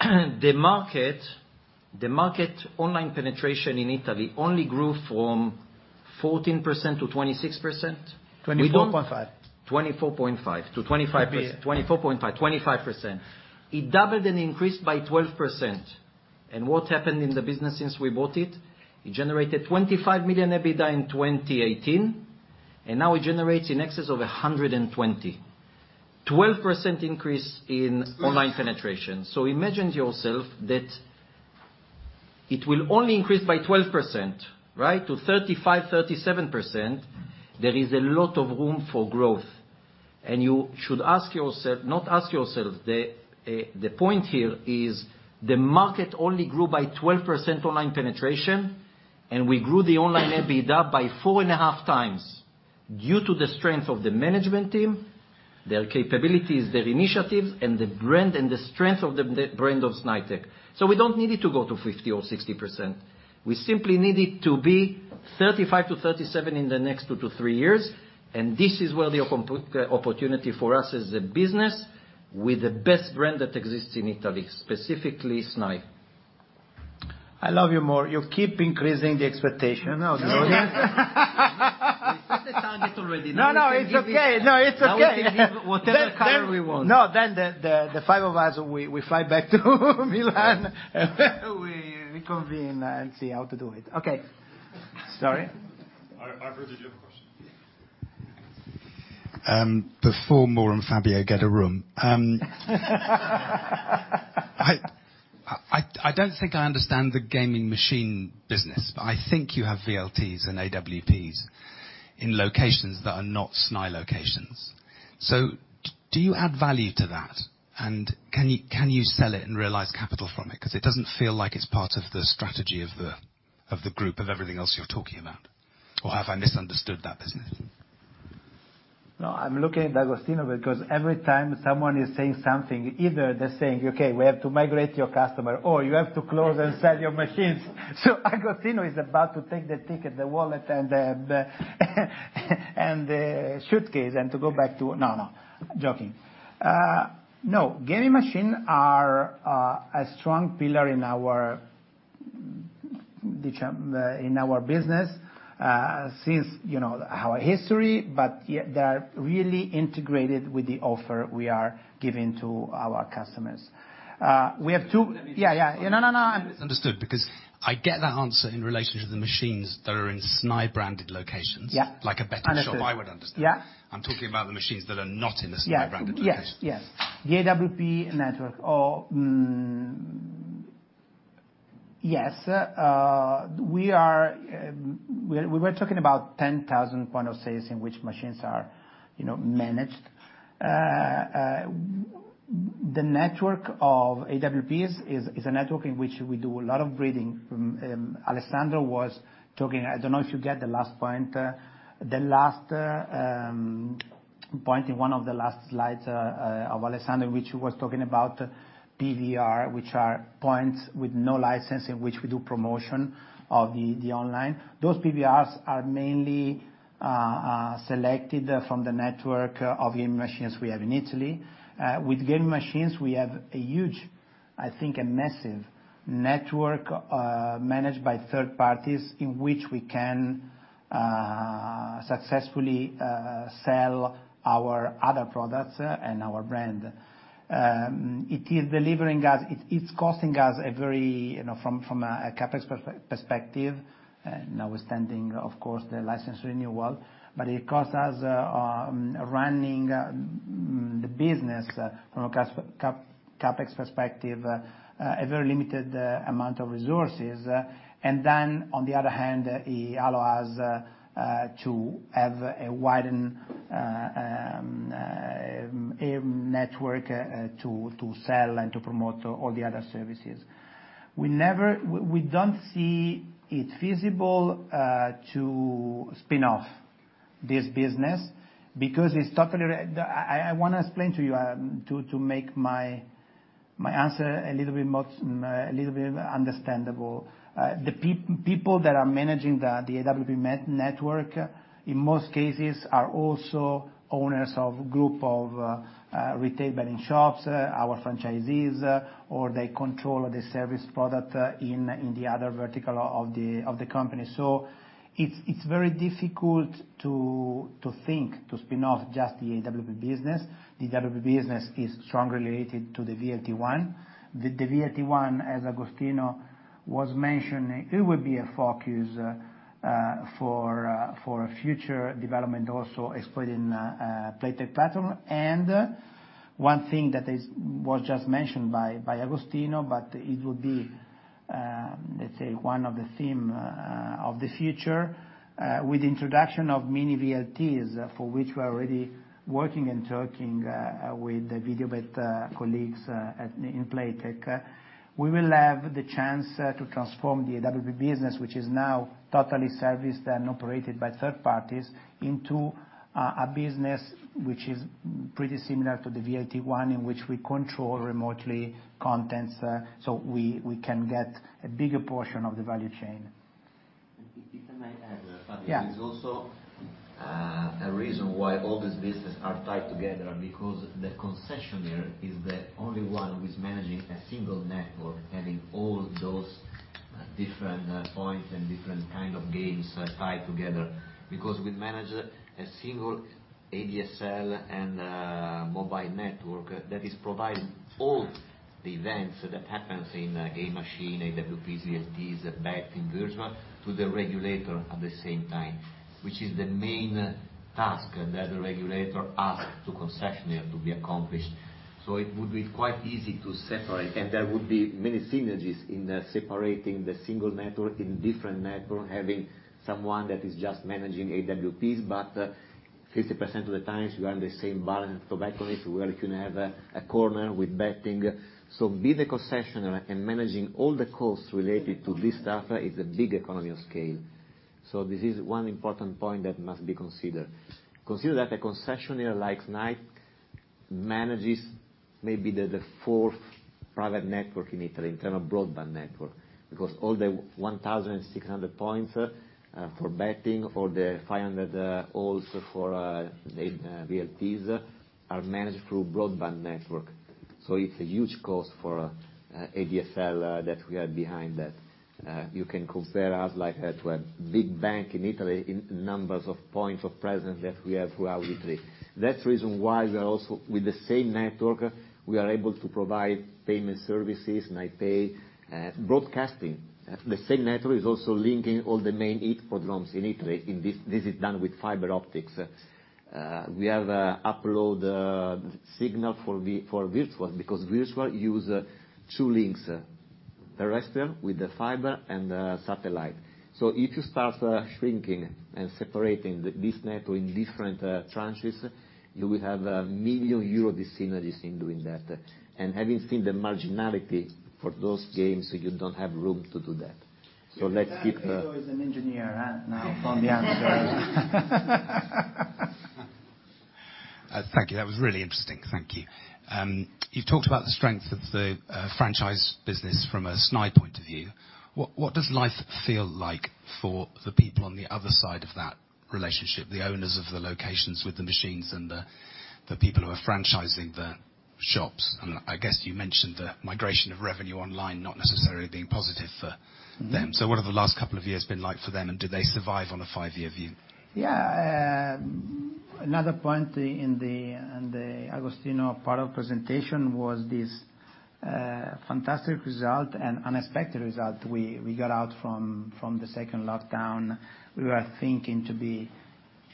The market online penetration in Italy only grew from 14% to 26%. 24.5.% 24.5%-24% Could be. 24.5%-25%. It doubled and increased by 12%. What happened in the business since we bought it? It generated 25 million EBITDA in 2018, and now it generates in excess of 120 million. 12% increase in online penetration. Imagine that it will only increase by 12%, right, to 35%-37%. There is a lot of room for growth. You should not ask yourself. The point here is the market only grew by 12% online penetration, and we grew the online EBITDA by 4.5 times due to the strength of the management team, their capabilities, their initiatives, and the brand and the strength of the brand of Snaitech. We don't need it to go to 50% or 60%. We simply need it to be 35%-37% in the next two to three years, and this is where the opportunity for us as a business with the best brand that exists in Italy, specifically SNAI. I love you, Mor. You keep increasing the expectation. We set the target already. No, no, it's okay. No, it's okay. Now we can give whatever color we want. No, then the five of us, we fly back to Milan, and we convene and see how to do it. Okay. Sorry. Arpad, did you have a question? Before Mor and Fabio get a room, I don't think I understand the gaming machine business, but I think you have VLTs and AWPs in locations that are not SNAI locations. So do you add value to that? And can you sell it and realize capital from it? 'Cause it doesn't feel like it's part of the strategy of the group of everything else you're talking about. Or have I misunderstood that business? No, I'm looking at Agostino because every time someone is saying something, either they're saying, "Okay, we have to migrate your customer," or, "You have to close and sell your machines." Agostino is about to take the ticket, the wallet, and the suitcase and to go back to. No, no. Joking. No, gaming machines are a strong pillar in our business, since, you know, our history, but yet they are really integrated with the offer we are giving to our customers. We have two- Let me just- Yeah, yeah. No, no. Understood. Because I get that answer in relation to the machines that are in SNAI-branded locations. Yeah. Like a betting shop I would understand. Understood. Yeah. I'm talking about the machines that are not in the Snai-branded locations. The AWP network. We were talking about 10,000 points of sale in which machines are, you know, managed. The network of AWPs is a network in which we do a lot of breeding. Alessandro was talking. I don't know if you get the last point. The last point in one of the last slides of Alessandro, which he was talking about PBR, which are points with no license in which we do promotion of the online. Those PBRs are mainly selected from the network of gaming machines we have in Italy. With gaming machines, we have a huge, I think, a massive network managed by third parties in which we can successfully sell our other products and our brand. It is delivering us. It's costing us a very, you know, from a CapEx perspective, notwithstanding of course the license renewal, but it costs us running the business from a CapEx perspective, a very limited amount of resources. Then on the other hand, it allow us to have a widened network to sell and to promote all the other services. We don't see it feasible to spin off this business because it's totally. I wanna explain to you to make my answer a little bit more understandable. The people that are managing the AWP network, in most cases are also owners of group of retail betting shops, our franchisees, or they control the service product in the other vertical of the company. It's very difficult to think to spin off just the AWP business. The AWP business is strongly related to the VLT one. The VLT one, as Agostino was mentioning, it would be a focus for future development also exploiting Playtech platform. One thing that was just mentioned by Agostino, but it would be, let's say, one of the theme of the future, with the introduction of mini VLTs for which we're already working and talking with the Videobet colleagues in Playtech. We will have the chance to transform the AWP business, which is now totally serviced and operated by third parties, into a business which is pretty similar to the VLT one, in which we control remotely contents, so we can get a bigger portion of the value chain. If I may add, Fabio. Yeah. There's also a reason why all these business are tied together because the concessionaire is the only one who is managing a single network, having all those different points and different kind of games tied together. We manage a single ADSL and mobile network that is providing all the events that happens in a game machine, AWPs, VLTs, betting, virtual, to the regulator at the same time, which is the main task that the regulator ask to concessionaire to be accomplished. It would be quite easy to separate, and there would be many synergies in separating the single network in different network, having someone that is just managing AWPs. 50% of the times you are in the same bar and tobacconist where you can have a corner with betting. To be the concessionaire and managing all the costs related to this stuff is a big economy of scale. This is one important point that must be considered. Consider that a concessionaire like SNAI manages maybe the fourth private network in Italy in terms of broadband network, because all the 1,600 points for betting, all the 500 halls for the VLTs are managed through broadband network. It's a huge cost for ADSL that we are bearing. You can compare us like a big bank in Italy in numbers of points of presence that we have throughout Italy. That's the reason why we are also, with the same network, we are able to provide payment services, Snaipay, broadcasting. The same network is also linking all the main hippodromes in Italy. This is done with fiber optics. We have an uplink signal for virtuals, because virtuals use two links, terrestrial with the fiber and the satellite. If you start shrinking and separating this network in different tranches, you will have 1 million euro dyssynergies in doing that. Having seen the marginality for those games, you don't have room to do that. Let's keep- See, that is an engineer, huh? Now from the answer. Thank you. That was really interesting. Thank you. You've talked about the strength of the franchise business from a SNAI point of view. What does life feel like for the people on the other side of that relationship, the owners of the locations with the machines and the people who are franchising the shops? I guess you mentioned the migration of revenue online not necessarily being positive for them. What have the last couple of years been like for them, and do they survive on a five-year view? Yeah. Another point in the Agostino part of presentation was this fantastic result and unexpected result we got out from the second lockdown. We were thinking to be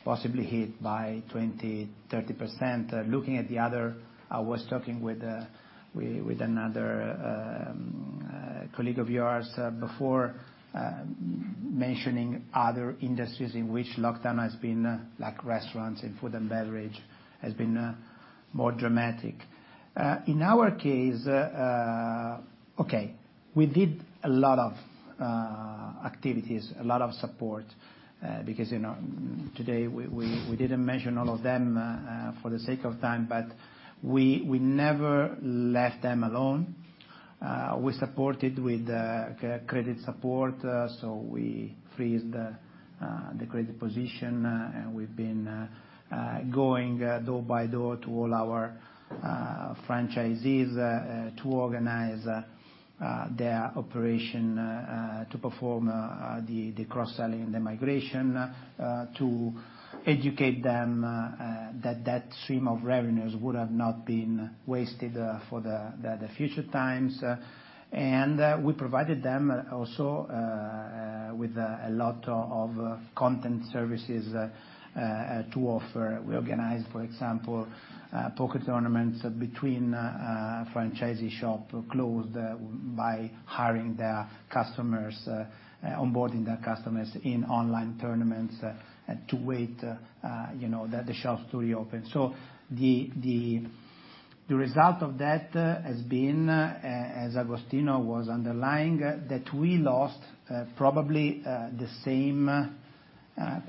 possibly hit by 20%-30%. Looking at the other, I was talking with another colleague of yours before mentioning other industries in which lockdown has been, like restaurants and food and beverage, has been more dramatic. In our case, we did a lot of activities, a lot of support, because, you know, today we didn't mention all of them for the sake of time, but we never left them alone. We support it with credit support, so we freeze the credit position, and we've been going door by door to all our franchisees, to organize their operation, to perform the cross-selling and the migration, to educate them that stream of revenues would have not been wasted for the future times. We provided them also with a lot of content services to offer. We organized, for example, poker tournaments between franchisee shop closed by hiring their customers, onboarding their customers in online tournaments, to wait, you know, that the shops to reopen. The result of that has been, as Agostino was underlining, that we lost, probably, the same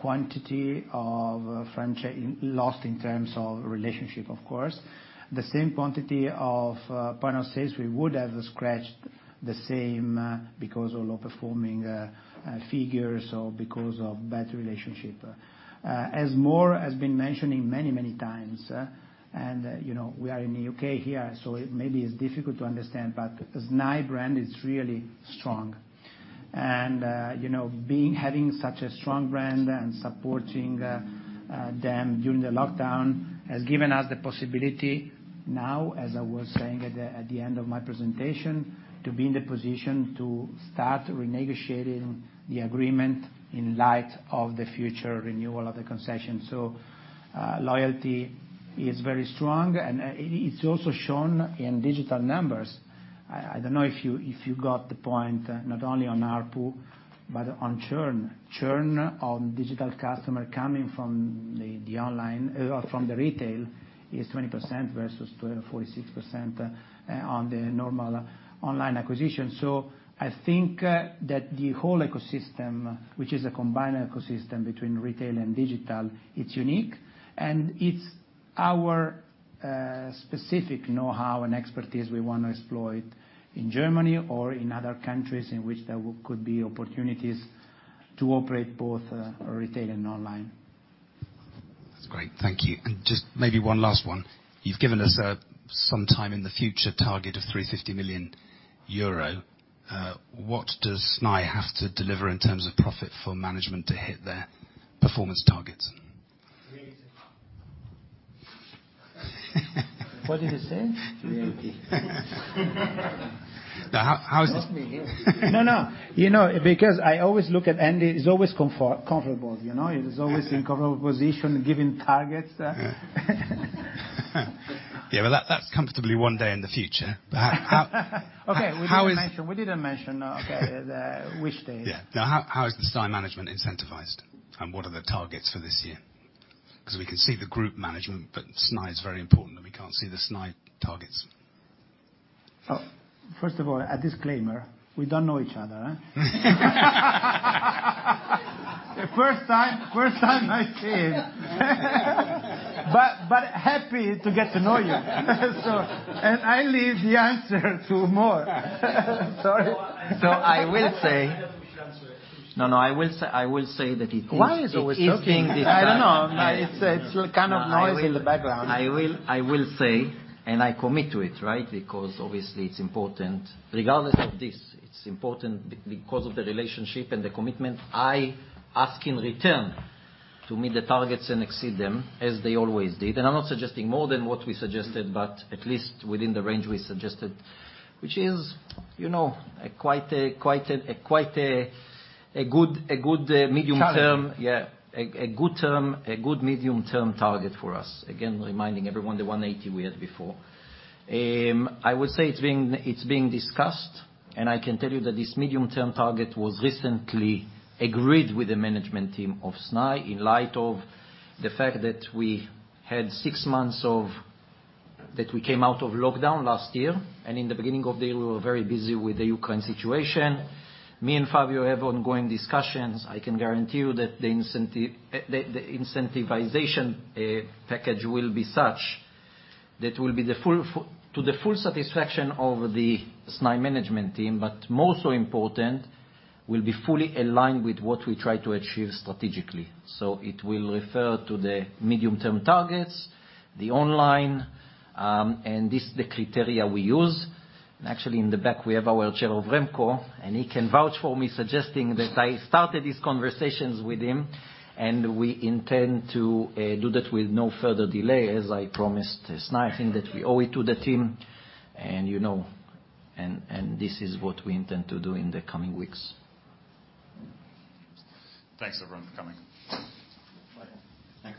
quantity lost in terms of relationship, of course. The same quantity of points of sale we would have scratched the same, because of low-performing figures or because of bad relationship. As Mor has been mentioning many times, and, you know, we are in the U.K. here, so it may be difficult to understand, but the SNAI brand is really strong. You know, having such a strong brand and supporting them during the lockdown has given us the possibility now, as I was saying at the end of my presentation, to be in the position to start renegotiating the agreement in light of the future renewal of the concession. Loyalty is very strong and it's also shown in digital numbers. I don't know if you got the point, not only on ARPU, but on churn. Churn on digital customer coming from the online or from the retail is 20% versus 46% on the normal online acquisition. I think that the whole ecosystem, which is a combined ecosystem between retail and digital, it's unique, and it's our specific know-how and expertise we wanna exploit in Germany or in other countries in which there could be opportunities to operate both retail and online. That's great. Thank you. Just maybe one last one. You've given us sometime in the future target of 350 million euro. What does SNAI have to deliver in terms of profit for management to hit their performance targets? What did he say? Now, how is this? Help me here. No, no. You know, because I always look at Andy, he's always comfortable. You know? He's always in comfortable position, giving targets. Yeah, that's comfortably one day in the future. How- Okay. We didn't mention. How is- We didn't mention, okay, which day. Yeah. Now, how is the Snaitech management incentivized, and what are the targets for this year? Because we can see the group management, but Snaitech is very important, and we can't see the Snaitech targets. Oh, first of all, a disclaimer, we don't know each other. The first time I see him. Happy to get to know you. I leave the answer to Mor. Sorry. I will say. I don't think we should answer it. No, I will say that it is. Why is he always talking? It is being discussed. I don't know. It's kind of noisy in the background. I will say, and I commit to it, right? Because obviously it's important. Regardless of this, it's important because of the relationship and the commitment. I ask in return to meet the targets and exceed them as they always did. I'm not suggesting more than what we suggested, but at least within the range we suggested. Which is, you know, quite a good medium-term. Challenge. A good medium-term target for us. Again, reminding everyone the 180 we had before. I would say it's being discussed, and I can tell you that this medium-term target was recently agreed with the management team of Snaitech in light of the fact that we had six months of lockdown last year, and in the beginning of the year, we were very busy with the Ukraine situation. Me and Fabio have ongoing discussions. I can guarantee you that the incentivization package will be such that will be to the full satisfaction of the Snaitech management team, but more so important, will be fully aligned with what we try to achieve strategically. It will refer to the medium-term targets, the online, and the criteria we use. Actually, in the back, we have our Chair of RemCo, and he can vouch for me suggesting that I started these conversations with him, and we intend to do that with no further delay, as I promised SNAI. I think that we owe it to the team and, you know, this is what we intend to do in the coming weeks. Thanks everyone for coming. Bye. Thank you.